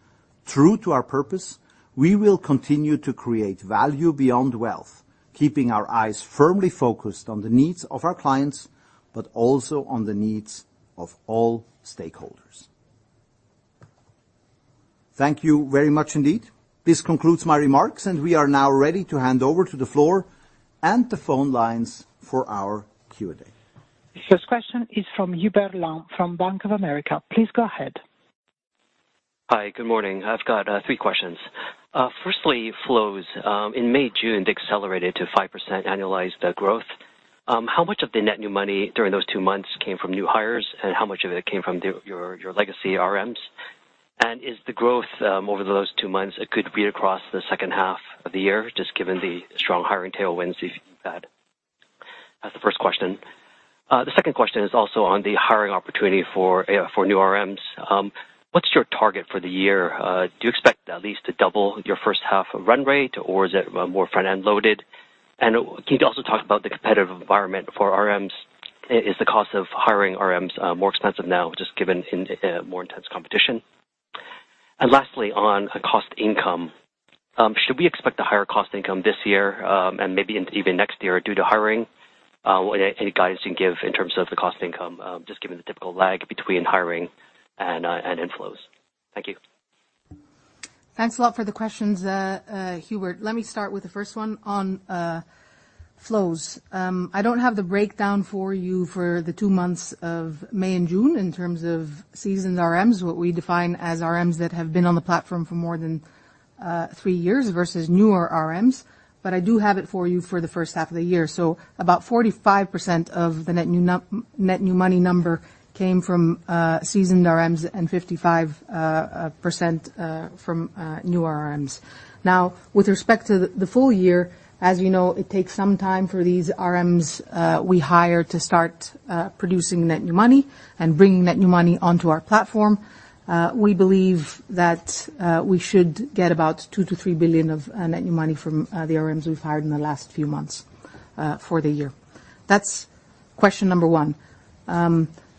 true to our purpose, we will continue to create value beyond wealth, keeping our eyes firmly focused on the needs of our clients, but also on the needs of all stakeholders. Thank you very much indeed. This concludes my remarks, and we are now ready to hand over to the floor and the phone lines for our Q&A. First question is from Hubert Lam from Bank of America. Please go ahead. Hi, good morning. I've got three questions. Firstly, flows. In May, June, it accelerated to 5% annualized growth. How much of the net new money during those two months came from new hires, and how much of it came from your legacy RMs? Is the growth over those two months a good read across the second half of the year, just given the strong hiring tailwinds you've had? That's the first question. The second question is also on the hiring opportunity for new RMs. What's your target for the year? Do you expect at least to double your first half run rate, or is it more front-end loaded? Can you also talk about the competitive environment for RMs? Is the cost of hiring RMs more expensive now, just given more intense competition? Lastly, on cost income, should we expect a higher cost income this year, and maybe even next year due to hiring? Any guidance you can give in terms of the cost income, just given the typical lag between hiring and inflows? Thank you. Thanks a lot for the questions, Hubert. Let me start with the first one on flows. I don't have the breakdown for you for the two months of May and June in terms of seasoned RMs, what we define as RMs that have been on the platform for more than three years versus newer RMs, but I do have it for you for the first half of the year. About 45% of the net new money number came from seasoned RMs, and 55% from newer RMs. Now, with respect to the full year, as you know, it takes some time for these RMs we hire to start producing net new money and bringing net new money onto our platform. We believe that we should get about 2 billion- 3 billion of net new money from the RMs we've hired in the last few months for the year. That's question number one.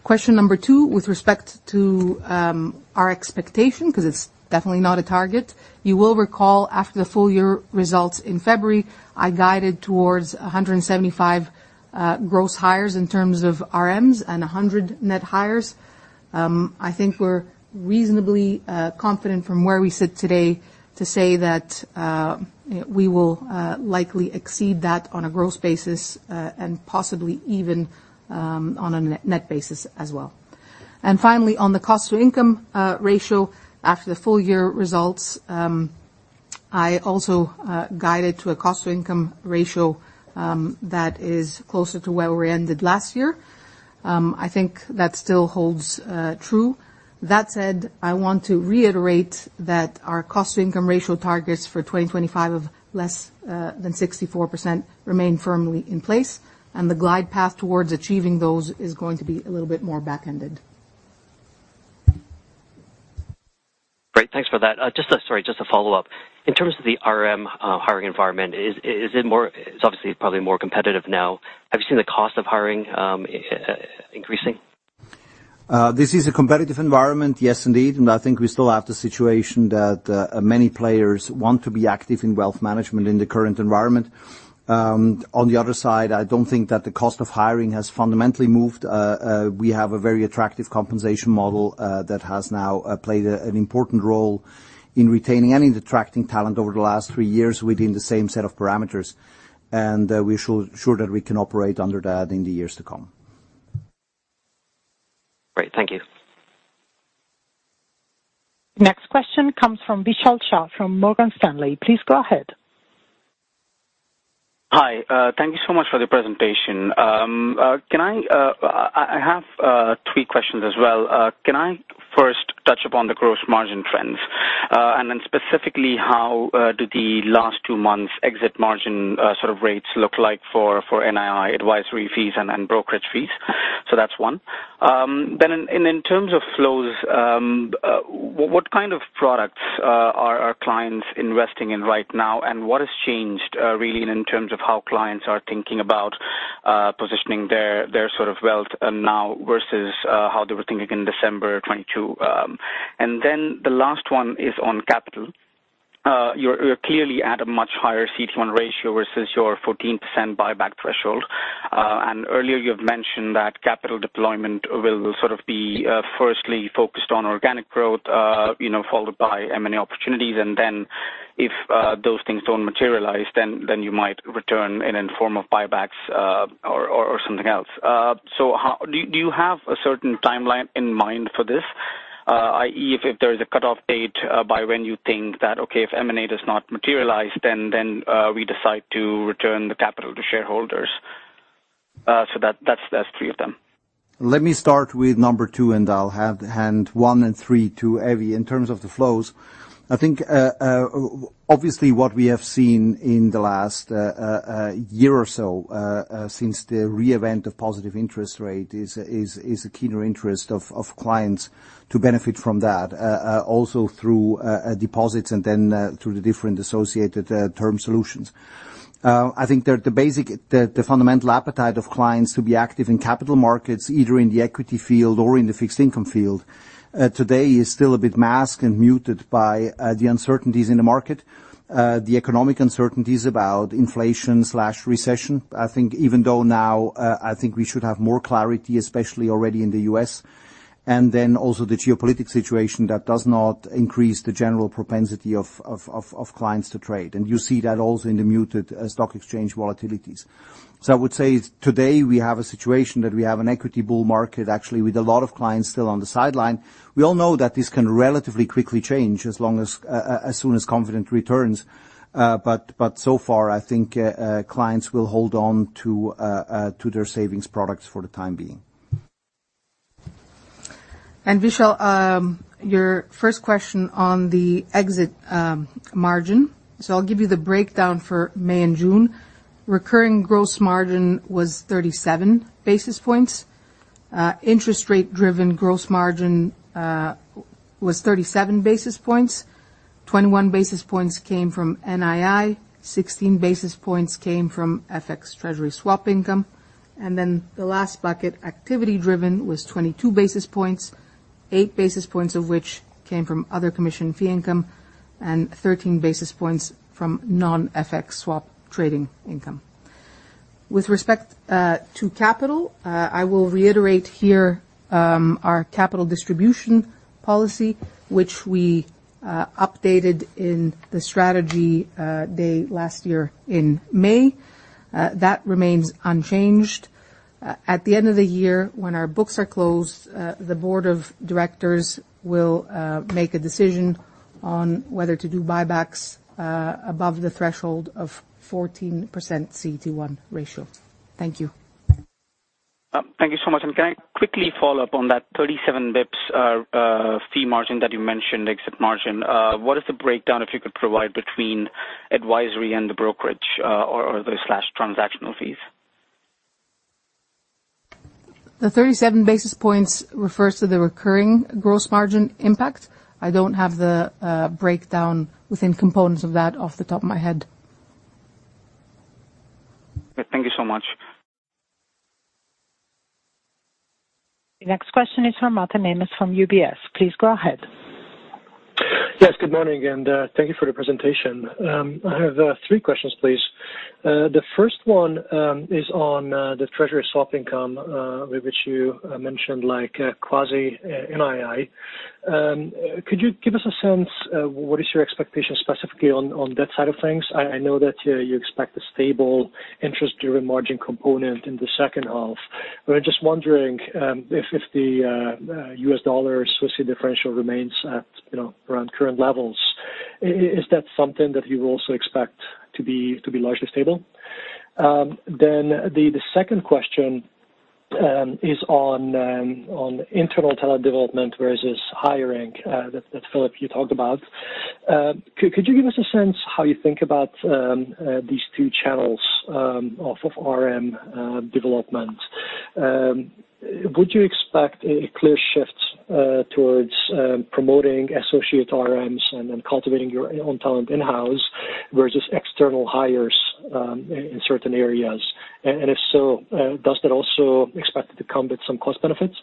Question number two, with respect to our expectation, because it's definitely not a target, you will recall after the full year results in February, I guided towards 175 gross hires in terms of RMs and 100 net hires. I think we're reasonably confident from where we sit today to say that we will likely exceed that on a gross basis and possibly even on a net basis as well. Finally, on the cost-income ratio, after the full year results, I also guided to a cost-income ratio that is closer to where we ended last year. I think that still holds true. That said, I want to reiterate that our cost-income ratio targets for 2025 of less than 64% remain firmly in place, and the glide path towards achieving those is going to be a little bit more back-ended. Great. Thanks for that. Sorry, just a follow-up. In terms of the RM hiring environment, it's obviously probably more competitive now. Have you seen the cost of hiring increasing? This is a competitive environment, yes, indeed, and I think we still have the situation that many players want to be active in wealth management in the current environment. On the other side, I don't think that the cost of hiring has fundamentally moved. We have a very attractive compensation model that has now played an important role in retaining and in attracting talent over the last three years within the same set of parameters. We're sure that we can operate under that in the years to come. Great. Thank you. Next question comes from Vishal Shah from Morgan Stanley. Please go ahead. Hi, thank you so much for the presentation. I have three questions as well. Can I first touch upon the gross margin trends? Specifically, how do the last two months exit margin sort of rates look like for NII advisory fees and brokerage fees? That's 1. In terms of flows, what kind of products are our clients investing in right now? What has changed really in terms of how clients are thinking about positioning their sort of wealth now versus how they were thinking in December 2022? The last 1 is on capital. You're clearly at a much higher CET1 ratio versus your 14% buyback threshold. Earlier, you have mentioned that capital deployment will sort of be firstly focused on organic growth, you know, followed by M&A opportunities, and then if those things don't materialize, then you might return in a form of buybacks, or something else. How do you have a certain timeline in mind for this? I.e., if there is a cutoff date, by when you think that, okay, if M&A does not materialize, then we decide to return the capital to shareholders. That's three of them. Let me start with number two, and I'll hand one and three to Evie. In terms of the flows, I think obviously, what we have seen in the last year or so, since the event of positive interest rate is a keener interest of clients to benefit from that also through deposits and then through the different associated term solutions. I think the basic, the fundamental appetite of clients to be active in capital markets, either in the equity field or in the fixed income field, today is still a bit masked and muted by the uncertainties in the market, the economic uncertainties about inflation/recession. I think even though now, I think we should have more clarity, especially already in the U.S., then also the geopolitical situation, that does not increase the general propensity of clients to trade. You see that also in the muted stock exchange volatilities. I would say today, we have a situation that we have an equity bull market, actually, with a lot of clients still on the sideline. We all know that this can relatively quickly change as long as soon as confidence returns, but so far, I think, clients will hold on to their savings products for the time being.... Vishal, your first question on the exit margin. I'll give you the breakdown for May and June. Recurring gross margin was 37 basis points. Interest rate-driven gross margin was 37 basis points. 21 basis points came from NII, 16 basis points came from FX treasury swap income, the last bucket, activity driven, was 22 basis points, eight basis points of which came from other commission fee income and 13 basis points from non-FX swap trading income. With respect to capital, I will reiterate here our capital distribution policy, which we updated in the strategy day last year in May. That remains unchanged. At the end of the year, when our books are closed, the board of directors will make a decision on whether to do buybacks above the threshold of 14% CET1 ratio. Thank you. Thank you so much. Can I quickly follow up on that 37 basis points fee margin that you mentioned, exit margin? What is the breakdown, if you could provide, between advisory and the brokerage, or the slash transactional fees? The 37 basis points refers to the recurring gross margin impact. I don't have the breakdown within components of that off the top of my head. Thank you so much. The next question is from Mate Nemes from UBS. Please go ahead. Yes, good morning, thank you for the presentation. I have three questions, please. The first one is on the treasury swap income with which you mentioned, like, quasi NII. Could you give us a sense of what is your expectation specifically on that side of things? I know that you expect a stable interest-driven margin component in the second half. I'm just wondering, if the U.S. dollar Swissie differential remains at, you know, around current levels, is that something that you also expect to be largely stable? The second question is on internal talent development versus hiring that Philippp you talked about. Could you give us a sense how you think about these two channels of RM development? Would you expect a clear shift towards promoting Associate RMs and then cultivating your own talent in-house versus external hires in certain areas? If so, does that also expect to come with some cost benefits?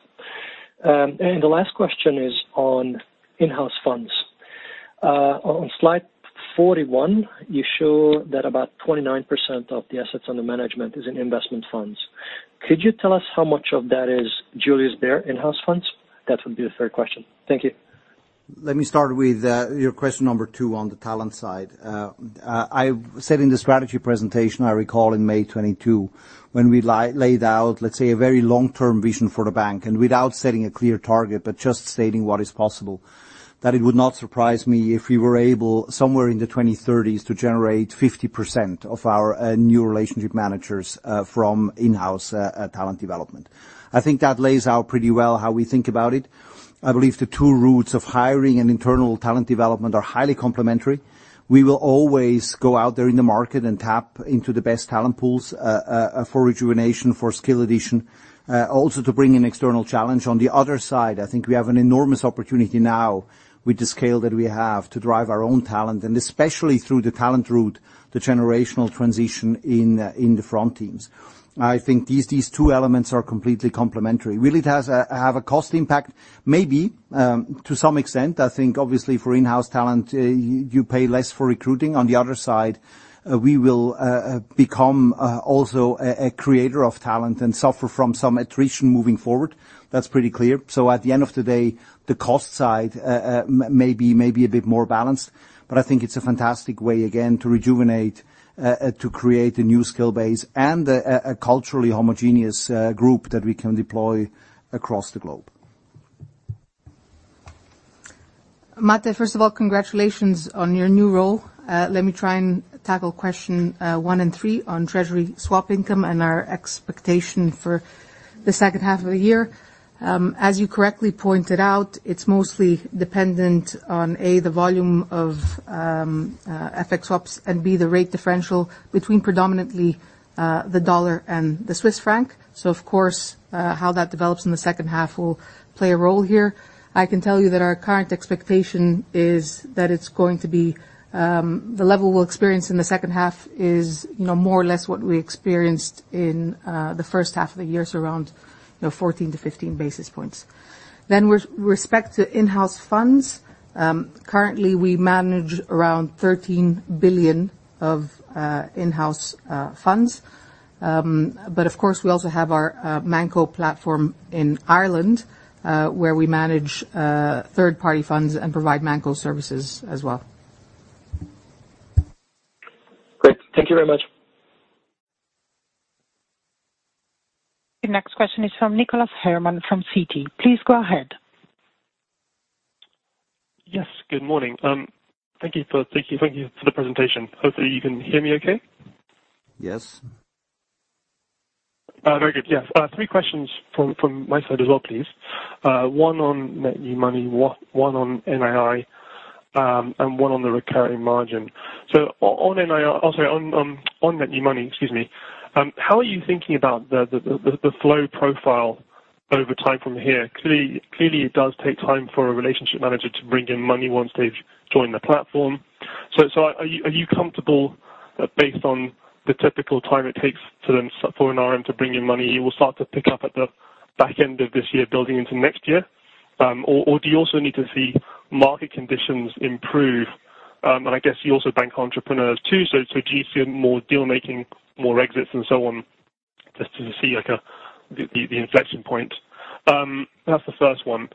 The last question is on in-house funds. On slide 41, you show that about 29% of the assets under management is in investment funds. Could you tell us how much of that is Julius Bär in-house funds? That would be the third question. Thank you. Let me start with your question number two on the talent side. I said in the strategy presentation, I recall in May 2022, when we laid out, let's say, a very long-term vision for the bank. Without setting a clear target, but just stating what is possible, that it would not surprise me if we were able, somewhere in the 2030s, to generate 50% of our new relationship managers from in-house talent development. I think that lays out pretty well how we think about it. I believe the two routes of hiring and internal talent development are highly complementary. We will always go out there in the market and tap into the best talent pools for rejuvenation, for skill addition, also to bring in external challenge. On the other side, I think we have an enormous opportunity now with the scale that we have to drive our own talent, and especially through the talent route, the generational transition in the front teams. I think these two elements are completely complementary. Will it have a cost impact? Maybe, to some extent. I think obviously for in-house talent, you pay less for recruiting. On the other side, we will become also a creator of talent and suffer from some attrition moving forward. That's pretty clear. At the end of the day, the cost side may be a bit more balanced, but I think it's a fantastic way, again, to rejuvenate, to create a new skill base and a culturally homogeneous group that we can deploy across the globe. Mate, first of all, congratulations on your new role. Let me try and tackle question one and three on treasury swap income and our expectation for the second half of the year. As you correctly pointed out, it's mostly dependent on, A, the volume of FX swaps, and B, the rate differential between predominantly the dollar and the Swiss franc. Of course, how that develops in the second half will play a role here. I can tell you that our current expectation is that it's going to be. The level we'll experience in the second half is, you know, more or less what we experienced in the first half of the year, so around, you know, 14-15 basis points. With respect to in-house funds, currently we manage around 13 billion of in-house funds. Of course, we also have our ManCo platform in Ireland, where we manage third-party funds and provide ManCo services as well. Great. Thank you very much. The next question is from Nicolas Herman from Citi. Please go ahead. Yes, good morning. Thank you for the presentation. Hopefully you can hear me okay? Yes. Very good. Yes. Three questions from my side as well, please. One on net new money, one on NII, and one on the recurring margin. On NII, oh, sorry, on net new money, excuse me. How are you thinking about the flow profile over time from here? Clearly, it does take time for a relationship manager to bring in money once they've joined the platform. Are you comfortable that based on the typical time it takes for an RM to bring in money, you will start to pick up at the back end of this year building into next year? Or do you also need to see market conditions improve? I guess you also bank entrepreneurs too, so do you see more deal making, more exits and so on, just to see, like, the inflection point? That's the first one.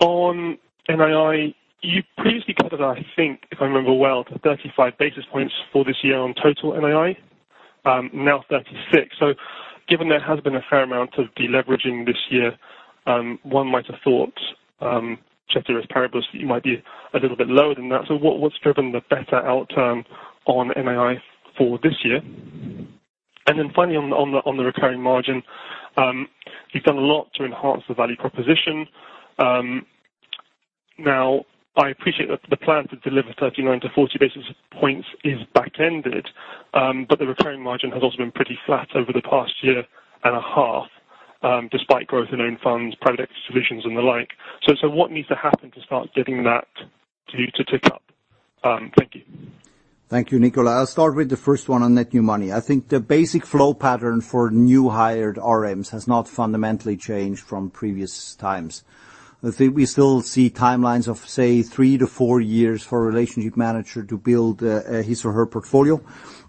On NII, you previously covered, I think, if I remember well, 35 basis points for this year on total NII, now 36. Given there has been a fair amount of deleveraging this year, one might have thought, ceteris paribus, you might be a little bit lower than that. What's driven the better outturn on NII for this year? Finally, on the recurring margin, you've done a lot to enhance the value proposition. Now, I appreciate that the plan to deliver 39-40 basis points is backended. The recurring margin has also been pretty flat over the past year and a half, despite growth in own funds, private solutions and the like. What needs to happen to start getting that to tick up? Thank you. Thank you, Nicola. I'll start with the first one on net new money. I think the basic flow pattern for new hired RMs has not fundamentally changed from previous times. I think we still see timelines of, say, 3 to 4 years for a relationship manager to build his or her portfolio.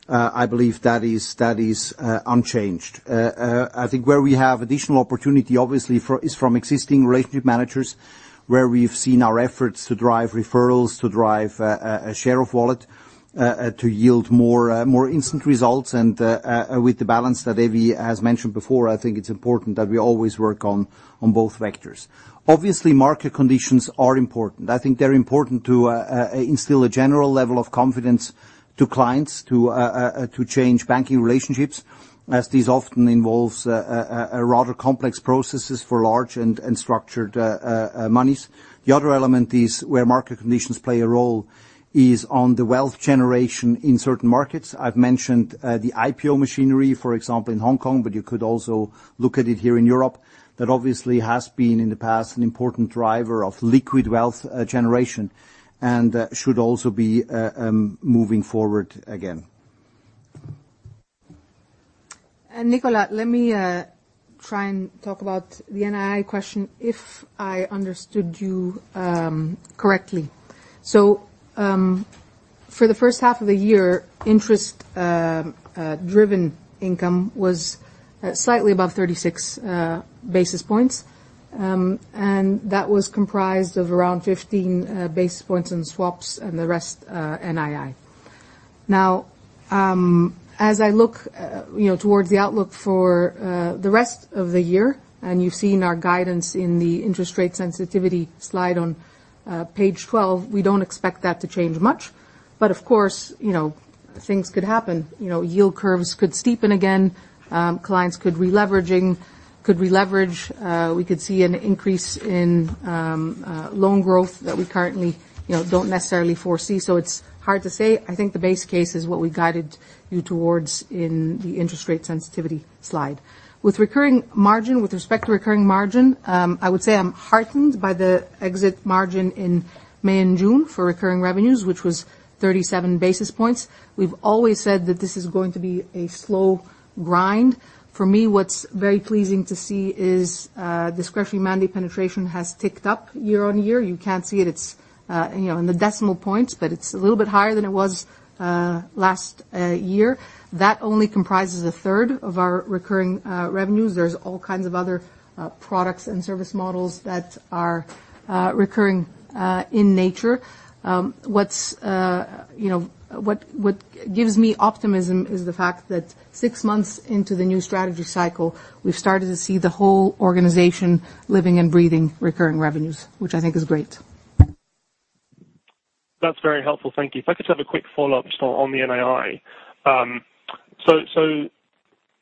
I believe that is unchanged. I think where we have additional opportunity, obviously, is from existing relationship managers, where we've seen our efforts to drive referrals, to drive a share of wallet to yield more instant results. With the balance that Evie, as mentioned before, I think it's important that we always work on both vectors. Obviously, market conditions are important. I think they're important to instill a general level of confidence to clients, to change banking relationships, as this often involves a rather complex processes for large and structured monies. The other element is where market conditions play a role is on the wealth generation in certain markets. I've mentioned the IPO machinery, for example, in Hong Kong. You could also look at it here in Europe. That obviously has been, in the past, an important driver of liquid wealth generation, should also be moving forward again. Nicola, let me try and talk about the NII question, if I understood you correctly. For the first half of the year, interest driven income was slightly above 36 basis points. That was comprised of around 15 basis points in swaps and the rest NII. As I look, you know, towards the outlook for the rest of the year, and you've seen our guidance in the interest rate sensitivity slide on page 12, we don't expect that to change much. Of course, you know, things could happen. You know, yield curves could steepen again, clients could re-leverage. We could see an increase in loan growth that we currently, you know, don't necessarily foresee. It's hard to say. case is what we guided you towards in the interest rate sensitivity slide. With recurring margin, with respect to recurring margin, I would say I'm heartened by the exit margin in May and June for recurring revenues, which was 37 basis points. We've always said that this is going to be a slow grind. For me, what's very pleasing to see is discretionary mandate penetration has ticked up year-on-year. You can't see it's, you know, in the decimal points, but it's a little bit higher than it was last year. That only comprises a third of our recurring revenues. There's all kinds of other products and service models that are recurring in nature What's, you know, what gives me optimism is the fact that six months into the new strategy cycle, we've started to see the whole organization living and breathing recurring revenues, which I think is great. That's very helpful. Thank you. If I could have a quick follow-up just on the NII.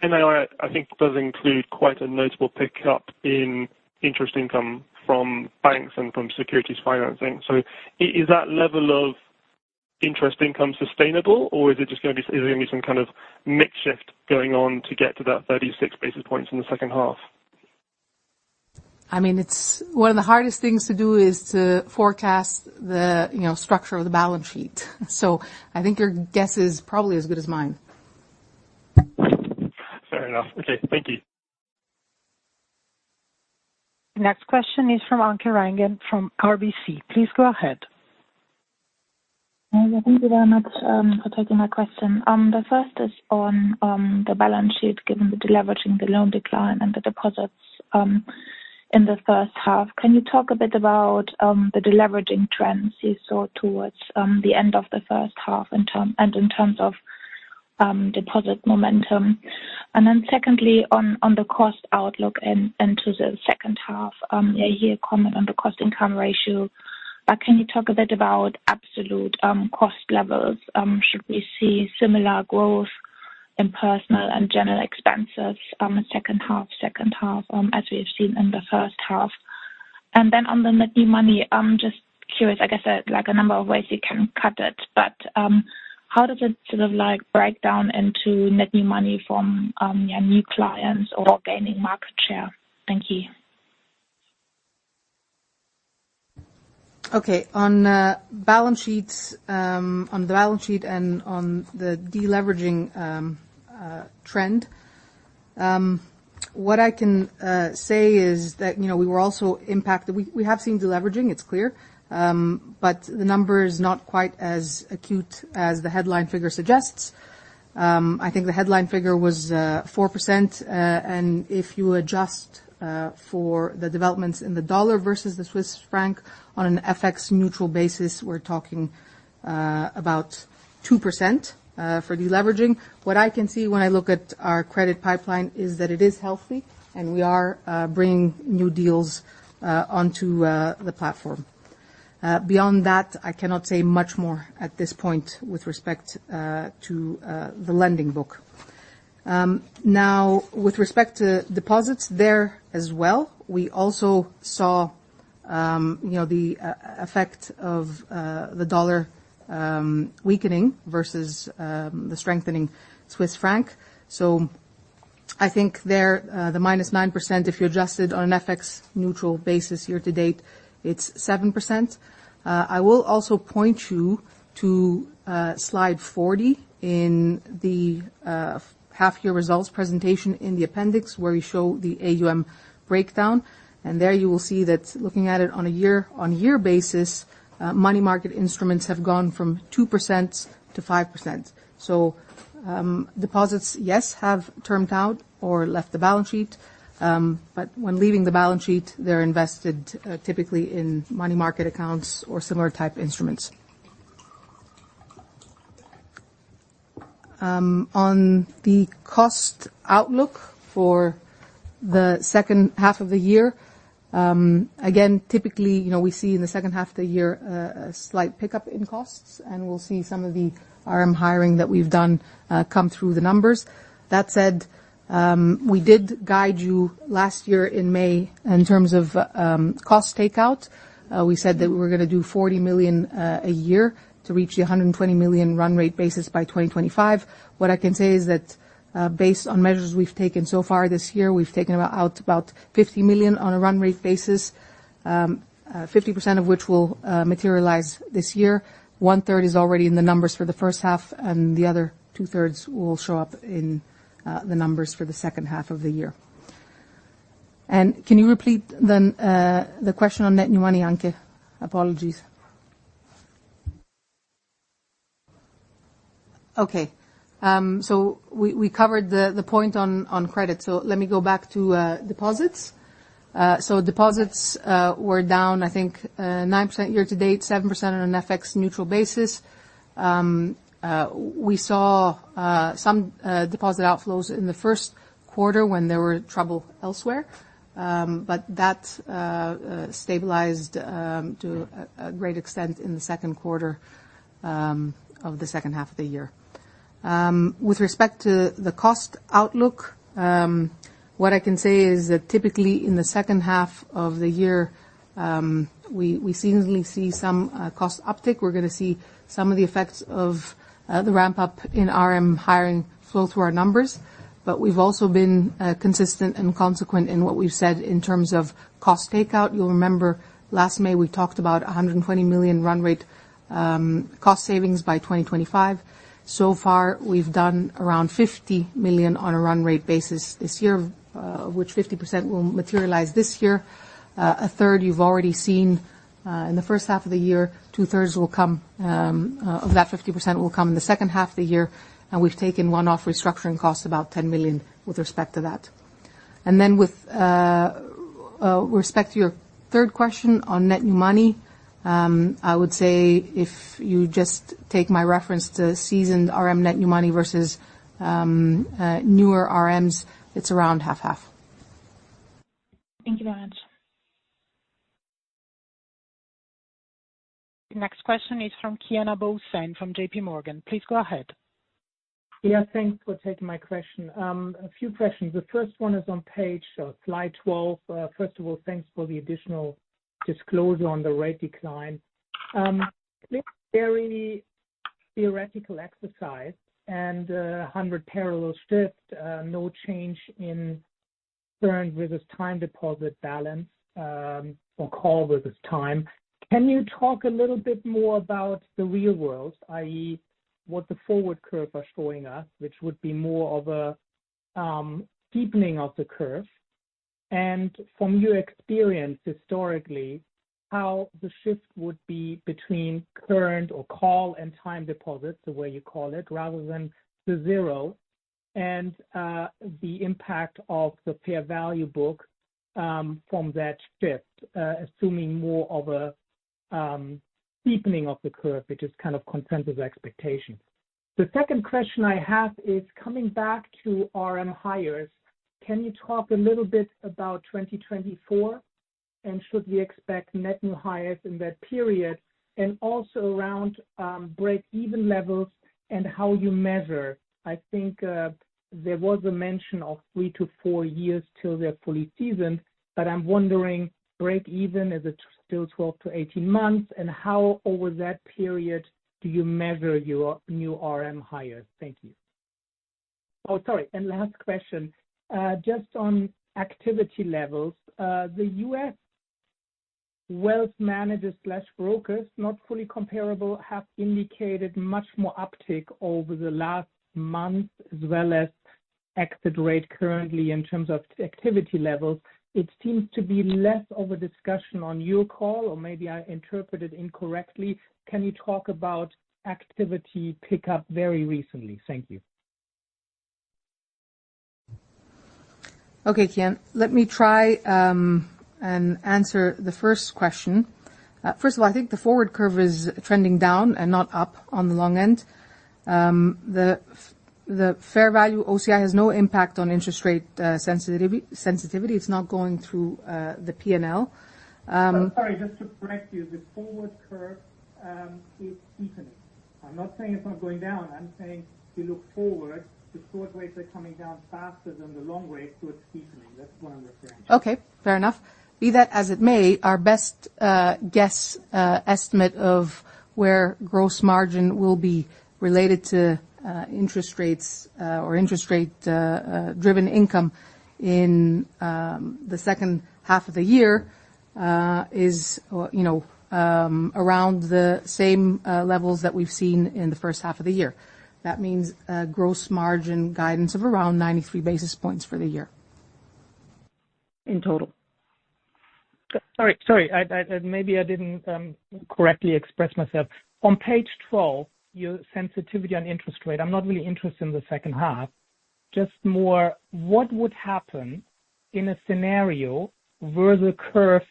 NII, I think, does include quite a notable pickup in interest income from banks and from securities financing. Is that level of interest income sustainable, or is it just gonna be some kind of mix shift going on to get to that 36 basis points in the second half? I mean, it's one of the hardest things to do is to forecast the, you know, structure of the balance sheet. I think your guess is probably as good as mine. Fair enough. Okay, thank you. Next question is from Anke Reingen, from RBC. Please go ahead. Thank you very much for taking my question. The first is on the balance sheet, given the deleveraging, the loan decline, and the deposits in the first half. Can you talk a bit about the deleveraging trends you saw towards the end of the first half, and in terms of deposit momentum. Secondly, on the cost outlook to the second half, I hear a comment on the cost-income ratio, but can you talk a bit about absolute cost levels? Should we see similar growth in personal and general expenses, second half, as we have seen in the first half? On the net new money, I'm just curious, I guess, like, a number of ways you can cut it, but, how does it sort of, like, break down into net new money from new clients or gaining market share? Thank you. Okay. On balance sheets, on the balance sheet and on the deleveraging trend, what I can say is that, you know, we were also impacted. We have seen deleveraging, it's clear, but the number is not quite as acute as the headline figure suggests. I think the headline figure was 4%, and if you adjust for the developments in the U.S. dollar versus the Swiss franc on an FX neutral basis, we're talking about 2% for deleveraging. What I can see when I look at our credit pipeline is that it is healthy, and we are bringing new deals onto the platform. Beyond that, I cannot say much more at this point with respect to the lending book. Now, with respect to deposits, there as well, we also saw, you know, the effect of the dollar weakening versus the strengthening Swiss franc. I think there, the -9%, if you adjust it on an FX neutral basis, year to date, it's 7%. I will also point you to slide 40 in the half year results presentation in the appendix, where we show the AUM breakdown. There you will see that looking at it on a year-on-year basis, money market instruments have gone from 2%-5%. Deposits, yes, have termed out or left the balance sheet, but when leaving the balance sheet, they're invested, typically in money market accounts or similar type instruments. On the cost outlook for the second half of the year, again, typically, you know, we see in the second half of the year a slight pickup in costs, and we'll see some of the RM hiring that we've done come through the numbers. That said, we did guide you last year in May in terms of cost takeout. We said that we were gonna do 40 million a year to reach the 120 million run rate basis by 2025. What I can say is that, based on measures we've taken so far this year, we've taken out about 50 million on a run rate basis, 50% of which will materialize this year. One third is already in the numbers for the first half, the other 2/3 will show up in the numbers for the second half of the year. Can you repeat then the question on net new money, Anke? Apologies. We covered the point on credit, so let me go back to deposits. Deposits were down, I think, 9% year to date, 7% on an FX neutral basis. We saw some deposit outflows in the first quarter when there were trouble elsewhere, that stabilized to a great extent in the second quarter of the second half of the year. With respect to the cost outlook, what I can say is that typically in the second half of the year, we seasonally see some cost uptick. We're gonna see some of the effects of the ramp up in RM hiring flow through our numbers. We've also been consistent and consequent in what we've said in terms of cost takeout. You'll remember last May, we talked about 120 million run rate cost savings by 2025. Far, we've done around 50 million on a run rate basis this year, of which 50% will materialize this year. A third you've already seen in the first half of the year. Two thirds will come of that 50% will come in the second half of the year, and we've taken one-off restructuring cost, about 10 million with respect to that. With respect to your third question on net new money, I would say if you just take my reference to seasoned RM net new money versus newer RMs, it's around 50/50. Thank you very much. The next question is from Kian Abouhossein, from J.P. Morgan. Please go ahead. Yeah, thanks for taking my question. A few questions. The first one is on page, slide 12. First of all, thanks for the additional disclosure on the rate decline. This very theoretical exercise and 100 parallel shift, no change in current versus time deposit balance, or call versus time. Can you talk a little bit more about the real world, i.e., what the forward curve are showing us, which would be more of a steepening of the curve? And from your experience, historically, how the shift would be between current or call and time deposits, the way you call it, rather than to zero? The impact of the fair value book from that shift, assuming more of a steepening of the curve, which is kind of consensus expectation. The second question I have is coming back to RM hires. Can you talk a little bit about 2024, should we expect net new hires in that period? Also around break even levels and how you measure. I think there was a mention of three to four years till they're fully seasoned, but I'm wondering, break even, is it still 12-18 months, how over that period do you measure your new RM hires? Thank you. Sorry, last question. Just on activity levels, the U.S. wealth managers slash brokers, not fully comparable, have indicated much more uptick over the last month, as well as exit rate currently in terms of activity levels. It seems to be less of a discussion on your call, maybe I interpreted incorrectly. Can you talk about activity pickup very recently? Thank you. Okay, Kian. Let me try and answer the first question. First of all, I think the forward curve is trending down and not up on the long end. The fair value OCI has no impact on interest rate sensitivity. It's not going through the P&L. Sorry, just to correct you, the forward curve is steepening. I'm not saying it's not going down. I'm saying if you look forward, the short rates are coming down faster than the long rates. It's steepening. That's what I'm referring to. Okay, fair enough. Be that as it may, our best guess estimate of where gross margin will be related to interest rates, or interest rate driven income in the second half of the year, is, well, you know, around the same levels that we've seen in the first half of the year. That means a gross margin guidance of around 93 basis points for the year. In total. Sorry, I, maybe I didn't correctly express myself. On page 12, your sensitivity on interest rate, I'm not really interested in the second half, just more what would happen in a scenario where the curve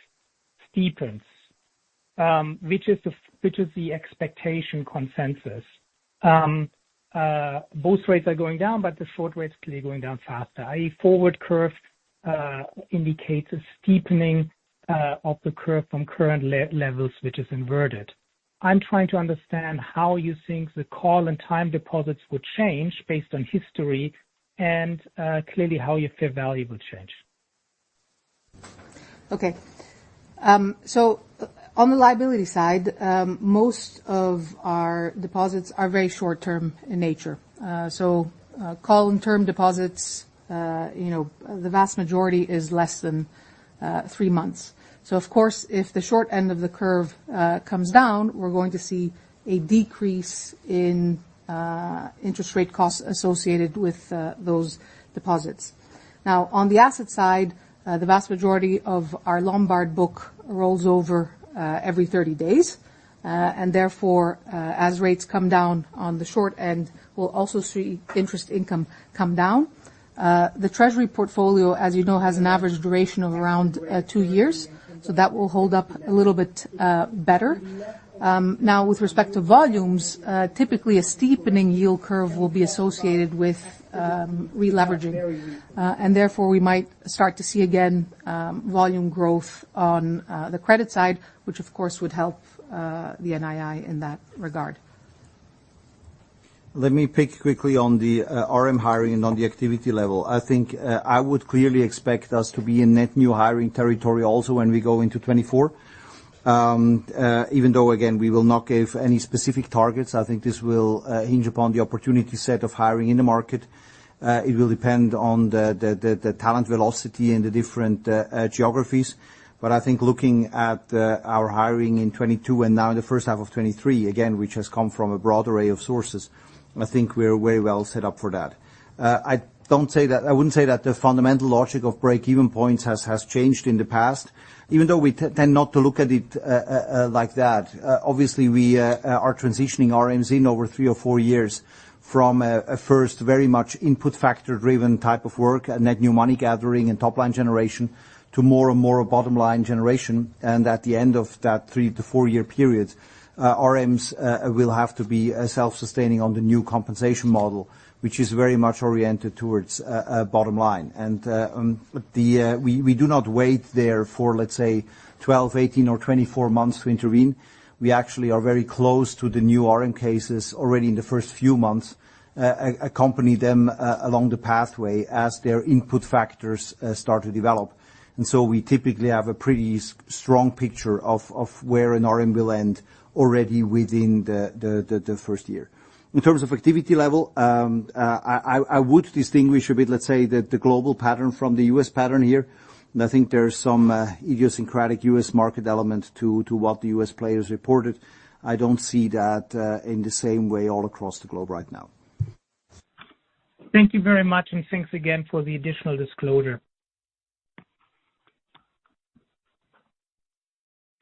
steepens, which is the expectation consensus. Both rates are going down, but the short rates clearly are going down faster. A forward curve indicates a steepening of the curve from current levels, which is inverted. I'm trying to understand how you think the call and time deposits would change based on history and clearly, how your fair value would change. Okay. On the liability side, most of our deposits are very short term in nature. Call and term deposits, you know, the vast majority is less than three months. Of course, if the short end of the curve comes down, we're going to see a decrease in interest rate costs associated with those deposits. Now, on the asset side, the vast majority of our Lombard book rolls over every 30 days, therefore, as rates come down on the short end, we'll also see interest income come down. The treasury portfolio, as you know, has an average duration of around two years, that will hold up a little bit better. Now, with respect to volumes, typically, a steepening yield curve will be associated with re-leveraging, and therefore, we might start to see, again, volume growth on the credit side, which, of course, would help the NII in that regard. Let me pick quickly on the RM hiring and on the activity level. I think, I would clearly expect us to be in net new hiring territory also when we go into 2024. Even though, again, we will not give any specific targets, I think this will hinge upon the opportunity set of hiring in the market. It will depend on the talent velocity in the different geographies. I think looking at our hiring in 2022 and now in the first half of 2023, again, which has come from a broad array of sources, I think we're very well set up for that. I wouldn't say that the fundamental logic of break-even points has changed in the past, even though we tend not to look at it like that. Obviously, we are transitioning RMs in over three or four years from a first very much input factor-driven type of work, net new money gathering and top-line generation, to more and more a bottom-line generation. At the end of that three to four-year period, RMs will have to be self-sustaining on the new compensation model, which is very much oriented towards a bottom line. We do not wait there for, let's say, 12, 18, or 24 months to intervene. We actually are very close to the new RM cases already in the first few months, accompany them along the pathway as their input factors start to develop. We typically have a pretty strong picture of where an RM will end already within the first year. In terms of activity level, I would distinguish a bit, let's say, the global pattern from the US pattern here. I think there is some idiosyncratic U.S. market element to what the U.S. players reported. I don't see that in the same way all across the globe right now. Thank you very much, and thanks again for the additional disclosure.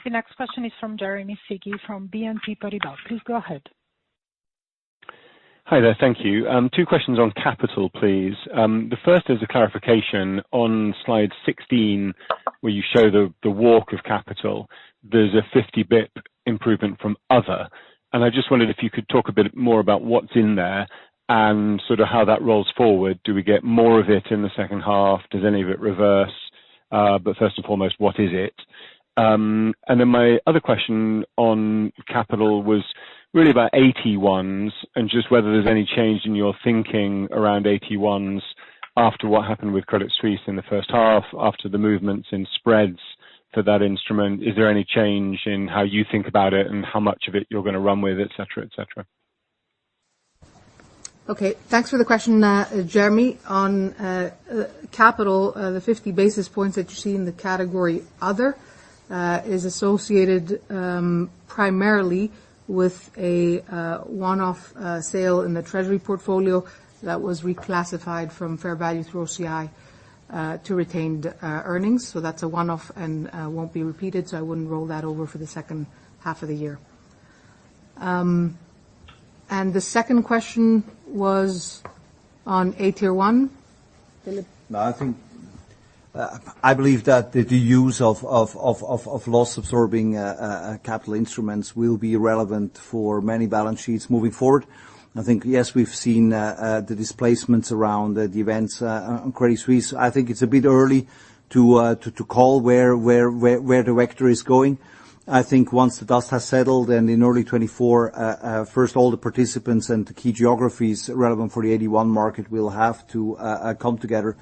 The next question is from Jeremy Sigee from BNP Paribas. Please go ahead. Hi there. Thank you. Two questions on capital, please. The first is a clarification. On slide 16, where you show the walk of capital, there's a 50 BP improvement from other, and I just wondered if you could talk a bit more about what's in there and sort of how that rolls forward. Do we get more of it in the second half? Does any of it reverse? First and foremost, what is it? My other question on capital was really about AT1s, and just whether there's any change in your thinking around AT1s after what happened with Credit Suisse in the first half, after the movements in spreads for that instrument. Is there any change in how you think about it and how much of it you're going to run with it, et cetera, et cetera? Okay, thanks for the question, Jeremy. On capital, the 50 basis points that you see in the category Other is associated primarily with a one-off sale in the treasury portfolio that was reclassified from fair value through OCI to retained earnings. That's a one-off and won't be repeated, so I wouldn't roll that over for the second half of the year. The second question was on AT1? Philippp? No, I think, I believe that the use of loss absorbing capital instruments will be relevant for many balance sheets moving forward. I think, yes, we've seen the displacements around the events on Credit Suisse. I think it's a bit early to call where the vector is going. I think once the dust has settled, and in early 2024, first all the participants and the key geographies relevant for the AT1 market will have to come together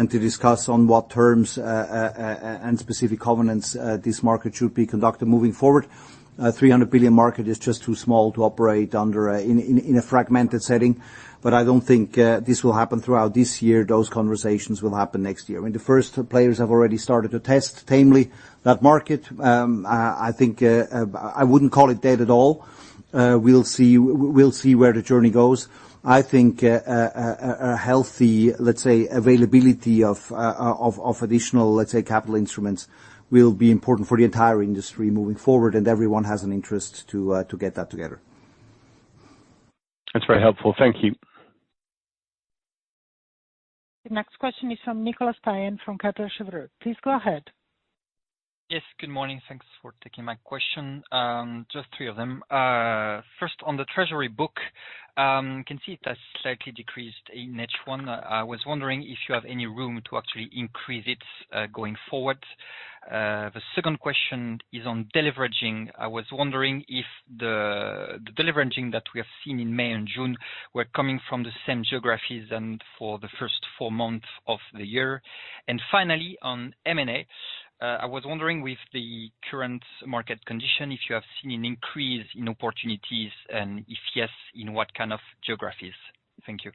and to discuss on what terms and specific covenants this market should be conducted moving forward. 300 billion market is just too small to operate in a fragmented setting. I don't think this will happen throughout this year. Those conversations will happen next year. I mean, the first players have already started to test tamely that market. I think, I wouldn't call it dead at all. We'll see where the journey goes. I think, a healthy, let's say, availability of additional, let's say, capital instruments, will be important for the entire industry moving forward, and everyone has an interest to get that together. That's very helpful. Thank you. The next question is from Nicholas Payen, from Credit Suisse. Please go ahead. Yes, good morning. Thanks for taking my question. Just three of them. First, on the treasury book, I can see it has slightly decreased in H1. I was wondering if you have any room to actually increase it going forward. The second question is on deleveraging. I was wondering if the deleveraging that we have seen in May and June were coming from the same geographies and for the first four months of the year. Finally, on M&A, I was wondering, with the current market condition, if you have seen an increase in opportunities, and if yes, in what kind of geographies? Thank you.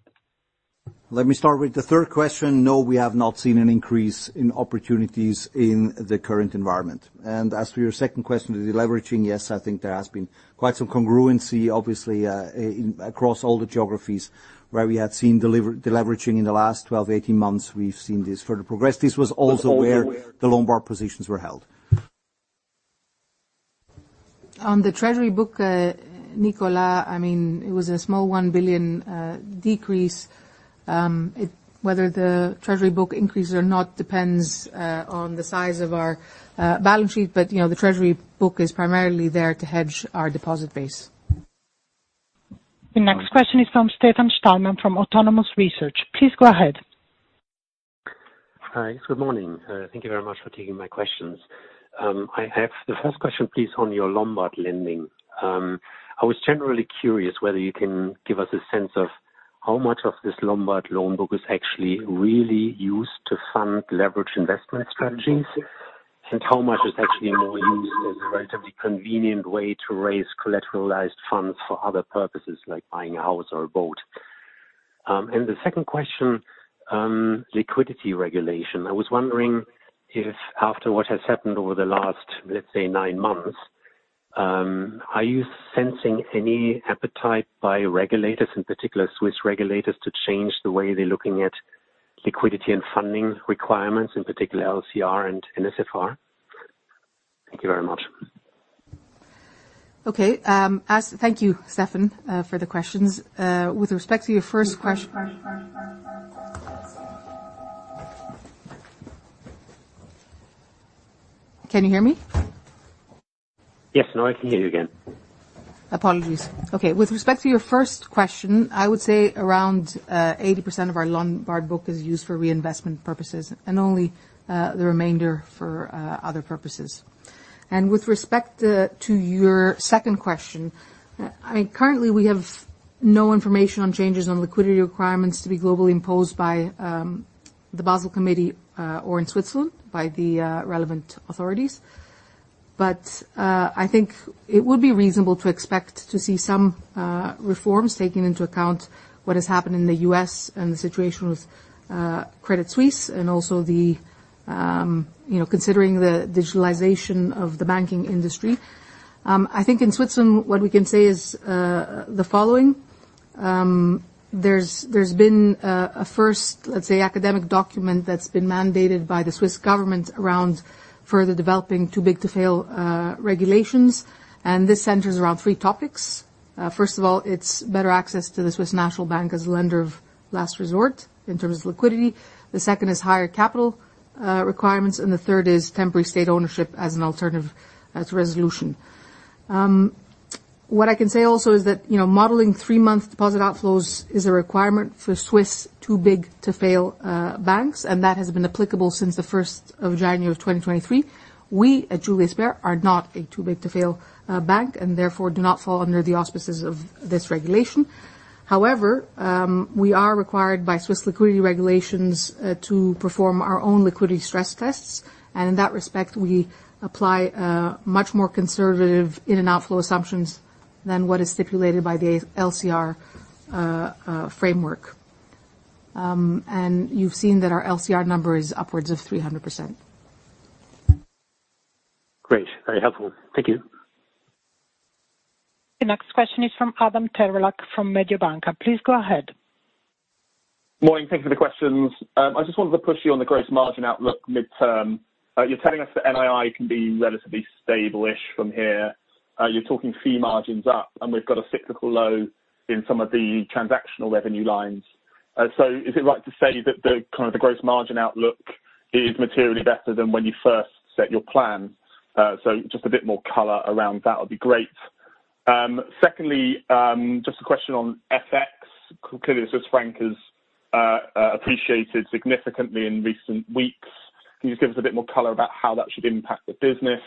Let me start with the third question. No, we have not seen an increase in opportunities in the current environment. As for your second question, the deleveraging, yes, I think there has been quite some congruency, obviously, in, across all the geographies where we had seen deleveraging in the last 12, 18 months. We've seen this further progress. This was also where the Lombard positions were held. On the treasury book, Nicholas, I mean, it was a small 1 billion decrease. Whether the treasury book increases or not, depends on the size of our balance sheet, but, you know, the treasury book is primarily there to hedge our deposit base. The next question is from Stefan Stalmann, from Autonomous Research. Please go ahead. Hi, good morning. Thank you very much for taking my questions. I have the first question, please, on your Lombard lending. I was generally curious whether you can give us a sense of how much of this Lombard loan book is actually really used to fund leverage investment strategies, and how much is actually more used as a relatively convenient way to raise collateralized funds for other purposes, like buying a house or a boat? The second question, liquidity regulation. I was wondering if after what has happened over the last, let's say, nine months, are you sensing any appetite by regulators, in particular Swiss regulators, to change the way they're looking at liquidity and funding requirements, in particular, LCR and NSFR? Thank you very much. Thank you, Stefan, for the questions. With respect to your first question. Can you hear me? Yes, now I can hear you again. Apologies. Okay, with respect to your first question, I would say around 80% of our Lombard book is used for reinvestment purposes and only the remainder for other purposes. With respect to your second question, I mean, currently, we have no information on changes on liquidity requirements to be globally imposed by the Basel Committee or in Switzerland by the relevant authorities. I think it would be reasonable to expect to see some reforms taking into account what has happened in the U.S. and the situation with Credit Suisse, and also, you know, considering the digitalization of the banking industry. I think in Switzerland, what we can say is the following:... There's, there's been a first, let's say, academic document that's been mandated by the Swiss government around further developing too big to fail regulations, and this centers around three topics. First of all, it's better access to the Swiss National Bank as a lender of last resort in terms of liquidity. The second is higher capital requirements, and the third is temporary state ownership as an alternative as resolution. What I can say also is that, you know, modeling three-month deposit outflows is a requirement for Swiss too big to fail banks, and that has been applicable since the first of January of 2023. We, at Julius Bär, are not a too big to fail bank and therefore do not fall under the auspices of this regulation. However, we are required by Swiss liquidity regulations to perform our own liquidity stress tests, and in that respect, we apply a much more conservative in and outflow assumptions than what is stipulated by the LCR framework. You've seen that our LCR number is upwards of 300%. Great, very helpful. Thank you. The next question is from Adam Terelak from Mediobanca. Please go ahead. Morning, thank you for the questions. I just wanted to push you on the gross margin outlook midterm. You're telling us that NII can be relatively stable-ish from here. You're talking fee margins up, and we've got a cyclical low in some of the transactional revenue lines. Is it right to say that the kind of the gross margin outlook is materially better than when you first set your plan? Just a bit more color around that would be great. Secondly, just a question on FX. Clearly, the Swiss franc has appreciated significantly in recent weeks. Can you just give us a bit more color about how that should impact the business?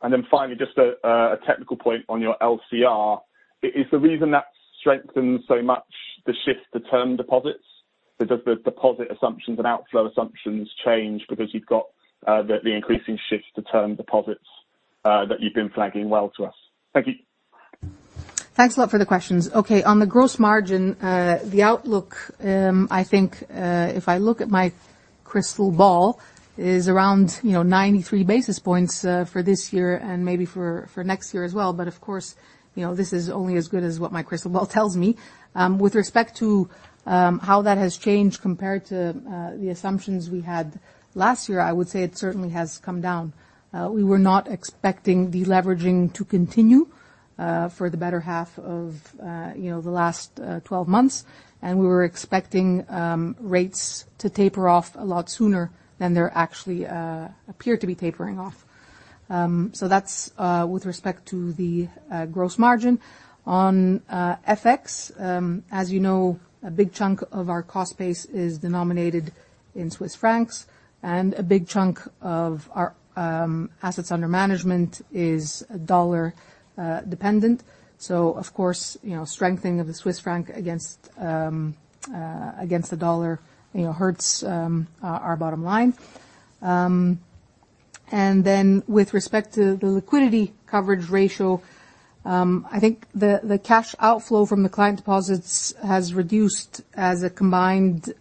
Finally, just a technical point on your LCR. Is the reason that's strengthened so much the shift to term deposits? Does the deposit assumptions and outflow assumptions change because you've got the increasing shift to term deposits that you've been flagging well to us? Thank you. Thanks a lot for the questions. Okay. On the gross margin, the outlook, I think, if I look at my crystal ball, is around, you know, 93 basis points for this year and maybe for next year as well. Of course, you know, this is only as good as what my crystal ball tells me. With respect to how that has changed compared to the assumptions we had last year, I would say it certainly has come down. We were not expecting deleveraging to continue for the better half of, you know, the last 12 months, and we were expecting rates to taper off a lot sooner than they're actually appear to be tapering off. That's with respect to the gross margin. FX, as you know, a big chunk of our cost base is denominated in Swiss francs, and a big chunk of our assets under management is dollar dependent. Of course, you know, strengthening of the Swiss franc against the dollar, you know, hurts our bottom line. With respect to the liquidity coverage ratio, I think the cash outflow from the client deposits has reduced as a combined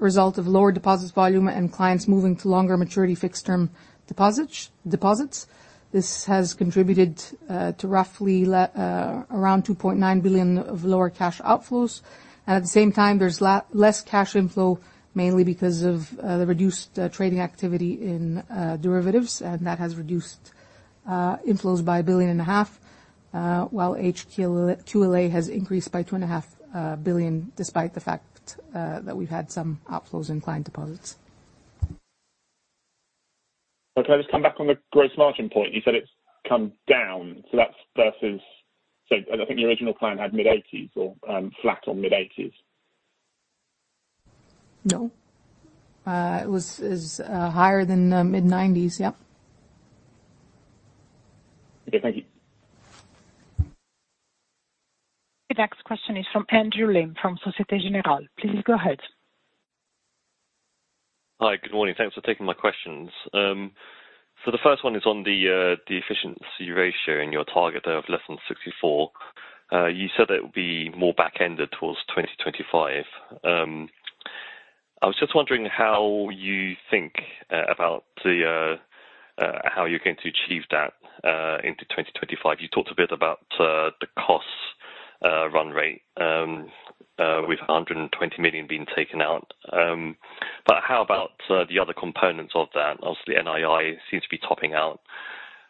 result of lower deposits volume and clients moving to longer maturity fixed-term deposits. This has contributed to roughly around 2.9 billion of lower cash outflows. At the same time, there's less cash inflow, mainly because of the reduced trading activity in derivatives. That has reduced inflows by 1.5 billion, while HQLA has increased by 2.5 billion, despite the fact that we've had some outflows in client deposits. Okay, can I just come back on the gross margin point? You said it's come down, that's versus... I think the original plan had mid-80s% or, flat on mid-80s%. No. It is higher than the mid-nineties. Yep. Okay, thank you. The next question is from Andrew Lim from Société Générale. Please go ahead. Hi, good morning. Thanks for taking my questions. The first one is on the efficiency ratio and your target of less than 64%. You said that it would be more back-ended towards 2025. I was just wondering how you think about how you're going to achieve that into 2025. You talked a bit about the costs run rate with 120 million being taken out. How about the other components of that? Obviously, NII seems to be topping out.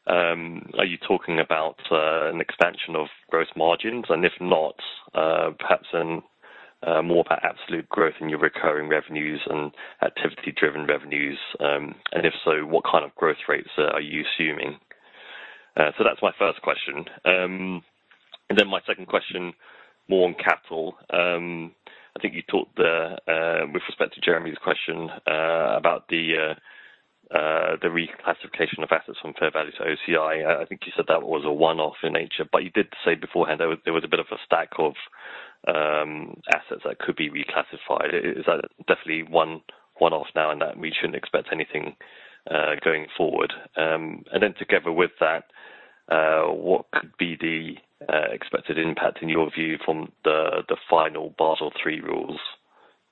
Are you talking about an expansion of gross margins? If not, perhaps more about absolute growth in your recurring revenues and activity-driven revenues, and if so, what kind of growth rates are you assuming? That's my first question. My second question, more on capital. I think you talked with respect to Jeremy's question about the reclassification of assets from fair value to OCI. I think you said that was a one-off in nature, but you did say beforehand there was a bit of a stack of assets that could be reclassified. Is that definitely one-off now, and that we shouldn't expect anything going forward? Together with that, what could be the expected impact, in your view, from the final Basel III rules?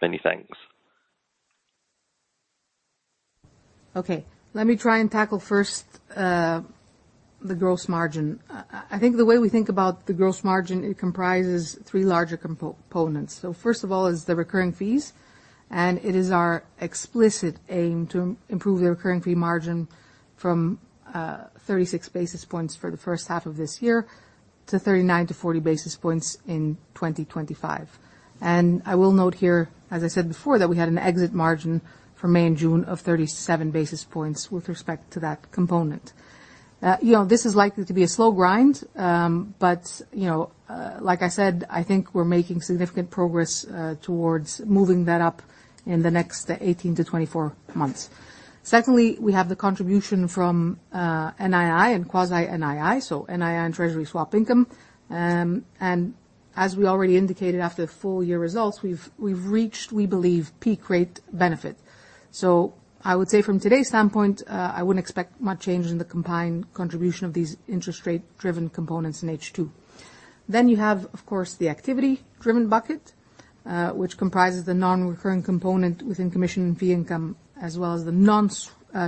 Many thanks. Let me try and tackle first the gross margin. I think the way we think about the gross margin, it comprises 3 larger components. First of all, is the recurring fees, and it is our explicit aim to improve the recurring fee margin from 36 basis points for the first half of this year to 39-40 basis points in 2025. I will note here, as I said before, that we had an exit margin for May and June of 37 basis points with respect to that component. You know, this is likely to be a slow grind, you know, like I said, I think we're making significant progress towards moving that up in the next 18-24 months. Secondly, we have the contribution from NII and quasi NII, so NII and treasury swap income. As we already indicated, after the full year results, we've reached, we believe, peak rate benefit. I would say from today's standpoint, I wouldn't expect much change in the combined contribution of these interest rate-driven components in H2. You have, of course, the activity driven bucket, which comprises the non-recurring component within commission and fee income, as well as the non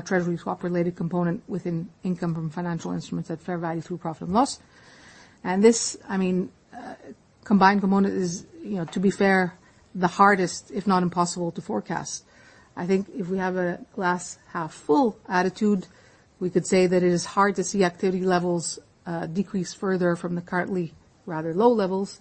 treasury swap related component within income from financial instruments at fair value through profit and loss. This, I mean, combined component is, you know, to be fair, the hardest, if not impossible, to forecast. I think if we have a glass half full attitude, we could say that it is hard to see activity levels decrease further from the currently rather low levels.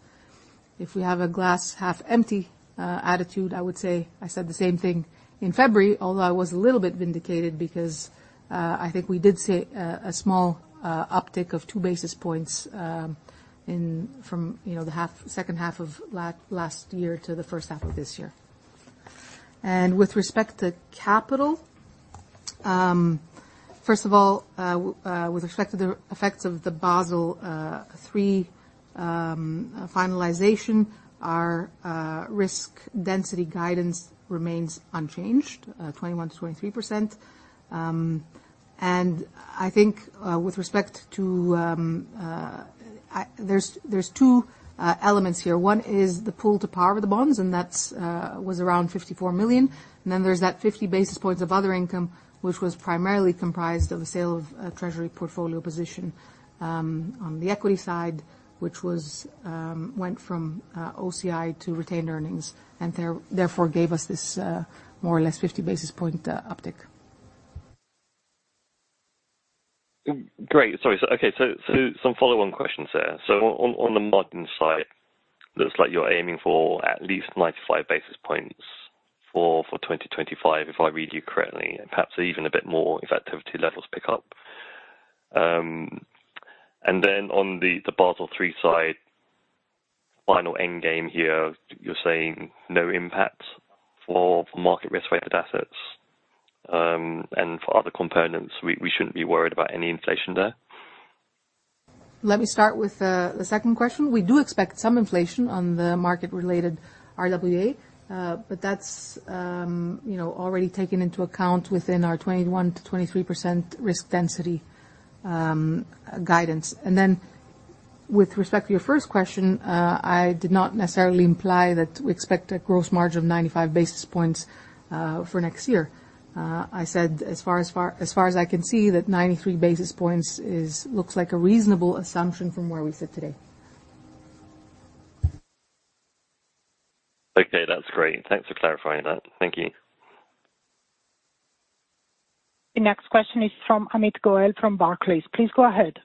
If we have a glass half empty attitude, I would say, I said the same thing in February, although I was a little bit vindicated because I think we did see a small uptick of two basis points in from, you know, the half, second half of last year to the first half of this year. With respect to capital, first of all, with respect to the effects of the Basel III finalization, our risk density guidance remains unchanged, 21%-23%. I think with respect to... There's two elements here. One is the pull to par with the bonds, and that's was around 54 million. Then there's that 50 basis points of other income, which was primarily comprised of a sale of a treasury portfolio position, on the equity side, which was went from OCI to retained earnings, and therefore, gave us this more or less 50 basis point uptick. Great. Sorry. Some follow-on questions there. On the margin side, looks like you're aiming for at least 95 basis points for 2025, if I read you correctly, and perhaps even a bit more if activity levels pick up. On the Basel III side, final end game here, you're saying no impact for market risk-weighted assets, and for other components, we shouldn't be worried about any inflation there? Let me start with the second question. We do expect some inflation on the market-related RWA, but that's, you know, already taken into account within our 21%-23% risk density guidance. With respect to your first question, I did not necessarily imply that we expect a gross margin of 95 basis points for next year. I said, as far as I can see, that 93 basis points is, looks like a reasonable assumption from where we sit today. Okay, that's great. Thanks for clarifying that. Thank you. The next question is from Amit Goel, from Barclays. Please go ahead.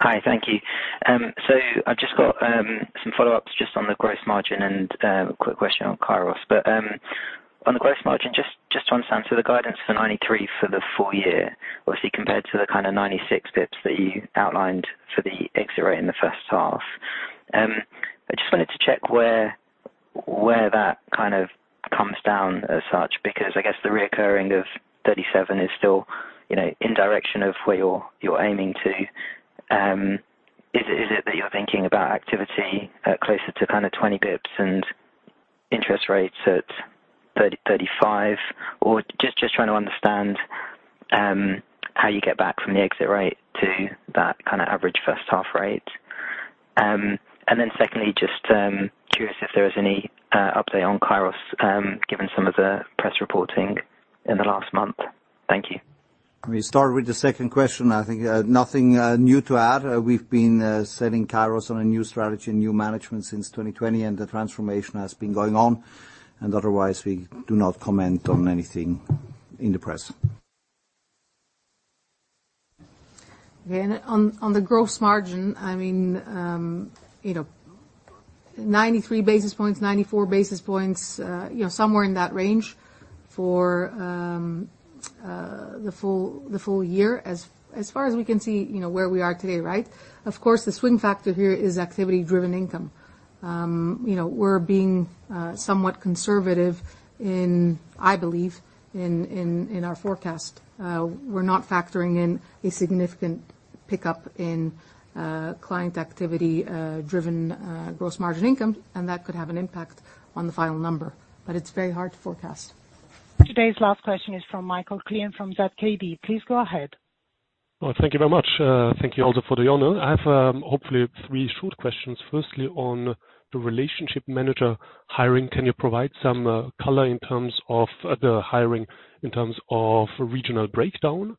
Hi, thank you. I've just got some follow-ups just on the gross margin and a quick question on Kairos. On the gross margin, just to understand, the guidance for 93 for the full year, obviously, compared to the kind of 96 basis points that you outlined for the exit rate in the first half. I just wanted to check where that kind of comes down as such, because I guess the reoccurring of 37 is still, you know, in direction of where you're aiming to. Is it that you're thinking about activity closer to kind of 20 basis points and interest rates at 30-35? Or just trying to understand how you get back from the exit rate to that kind of average first half rate. Secondly, just curious if there is any update on Kairos, given some of the press reporting in the last month. Thank you. Let me start with the second question. I think nothing new to add. We've been selling Kairos on a new strategy and new management since 2020, and the transformation has been going on, and otherwise we do not comment on anything in the press. On, on the gross margin, I mean, you know, 93 basis points, 94 basis points, you know, somewhere in that range for the full year, as far as we can see, you know where we are today, right? Of course, the swing factor here is activity-driven income. You know, we're being somewhat conservative in, I believe, in our forecast. We're not factoring in a significant pickup in client activity driven gross margin income, and that could have an impact on the final number, but it's very hard to forecast. Today's last question is from Michael Klien from ZKB. Please go ahead. Well, thank you very much. Thank you also for the honor. I have, hopefully three short questions. Firstly, on the relationship manager hiring, can you provide some color in terms of the hiring, in terms of regional breakdown?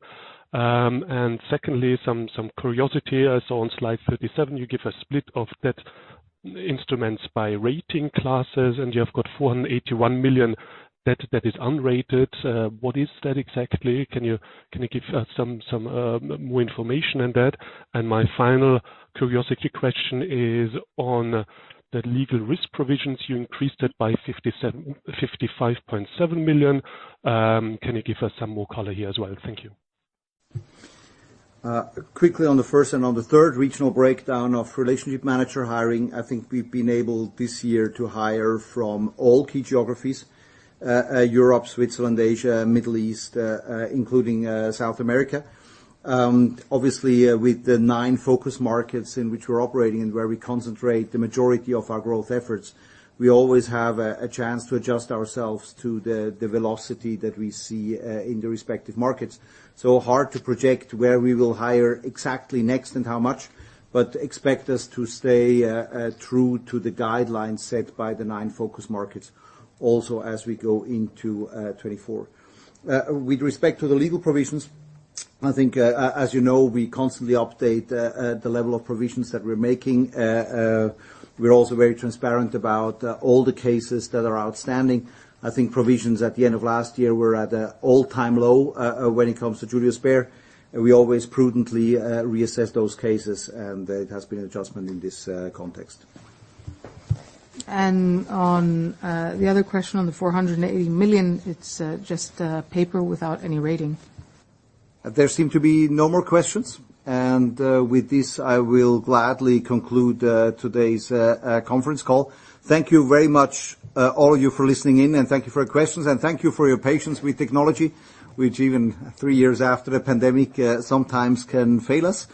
Secondly, some curiosity. I saw on slide 37, you give a split of debt instruments by rating classes, and you have got 481 million debt that is unrated. What is that exactly? Can you give some more information on that? My final curiosity question is on the legal risk provisions. You increased it by 55.7 million. Can you give us some more color here as well? Thank you. Quickly on the first and on the third, regional breakdown of Relationship Manager hiring, I think we've been able this year to hire from all key geographies, Europe, Switzerland, Asia, Middle East, including South America. Obviously, with the nine focus markets in which we're operating and where we concentrate the majority of our growth efforts, we always have a chance to adjust ourselves to the velocity that we see in the respective markets. Hard to project where we will hire exactly next and how much, but expect us to stay true to the guidelines set by the nine focus markets, also as we go into 2024. With respect to the legal provisions, I think, as you know, we constantly update the level of provisions that we're making. We're also very transparent about all the cases that are outstanding. I think provisions at the end of last year were at an all-time low when it comes to Julius Bär. We always prudently reassess those cases, and there has been an adjustment in this context. On, the other question, on the 480 million, it's just a paper without any rating. There seem to be no more questions, and, with this, I will gladly conclude, today's, conference call. Thank you very much, all of you, for listening in, and thank you for your questions, and thank you for your patience with technology, which even three years after the pandemic, sometimes can fail us.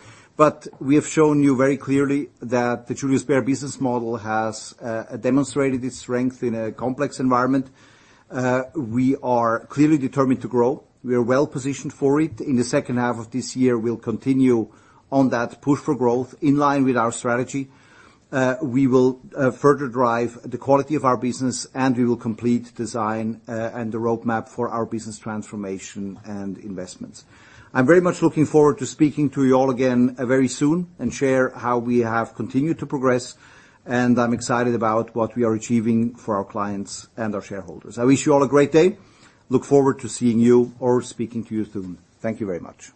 We have shown you very clearly that the Julius Bär business model has, demonstrated its strength in a complex environment. We are clearly determined to grow. We are well positioned for it. In the second half of this year, we'll continue on that push for growth in line with our strategy. We will, further drive the quality of our business, and we will complete design, and the roadmap for our business transformation and investments. I'm very much looking forward to speaking to you all again very soon and share how we have continued to progress, and I'm excited about what we are achieving for our clients and our shareholders. I wish you all a great day. Look forward to seeing you or speaking to you soon. Thank you very much.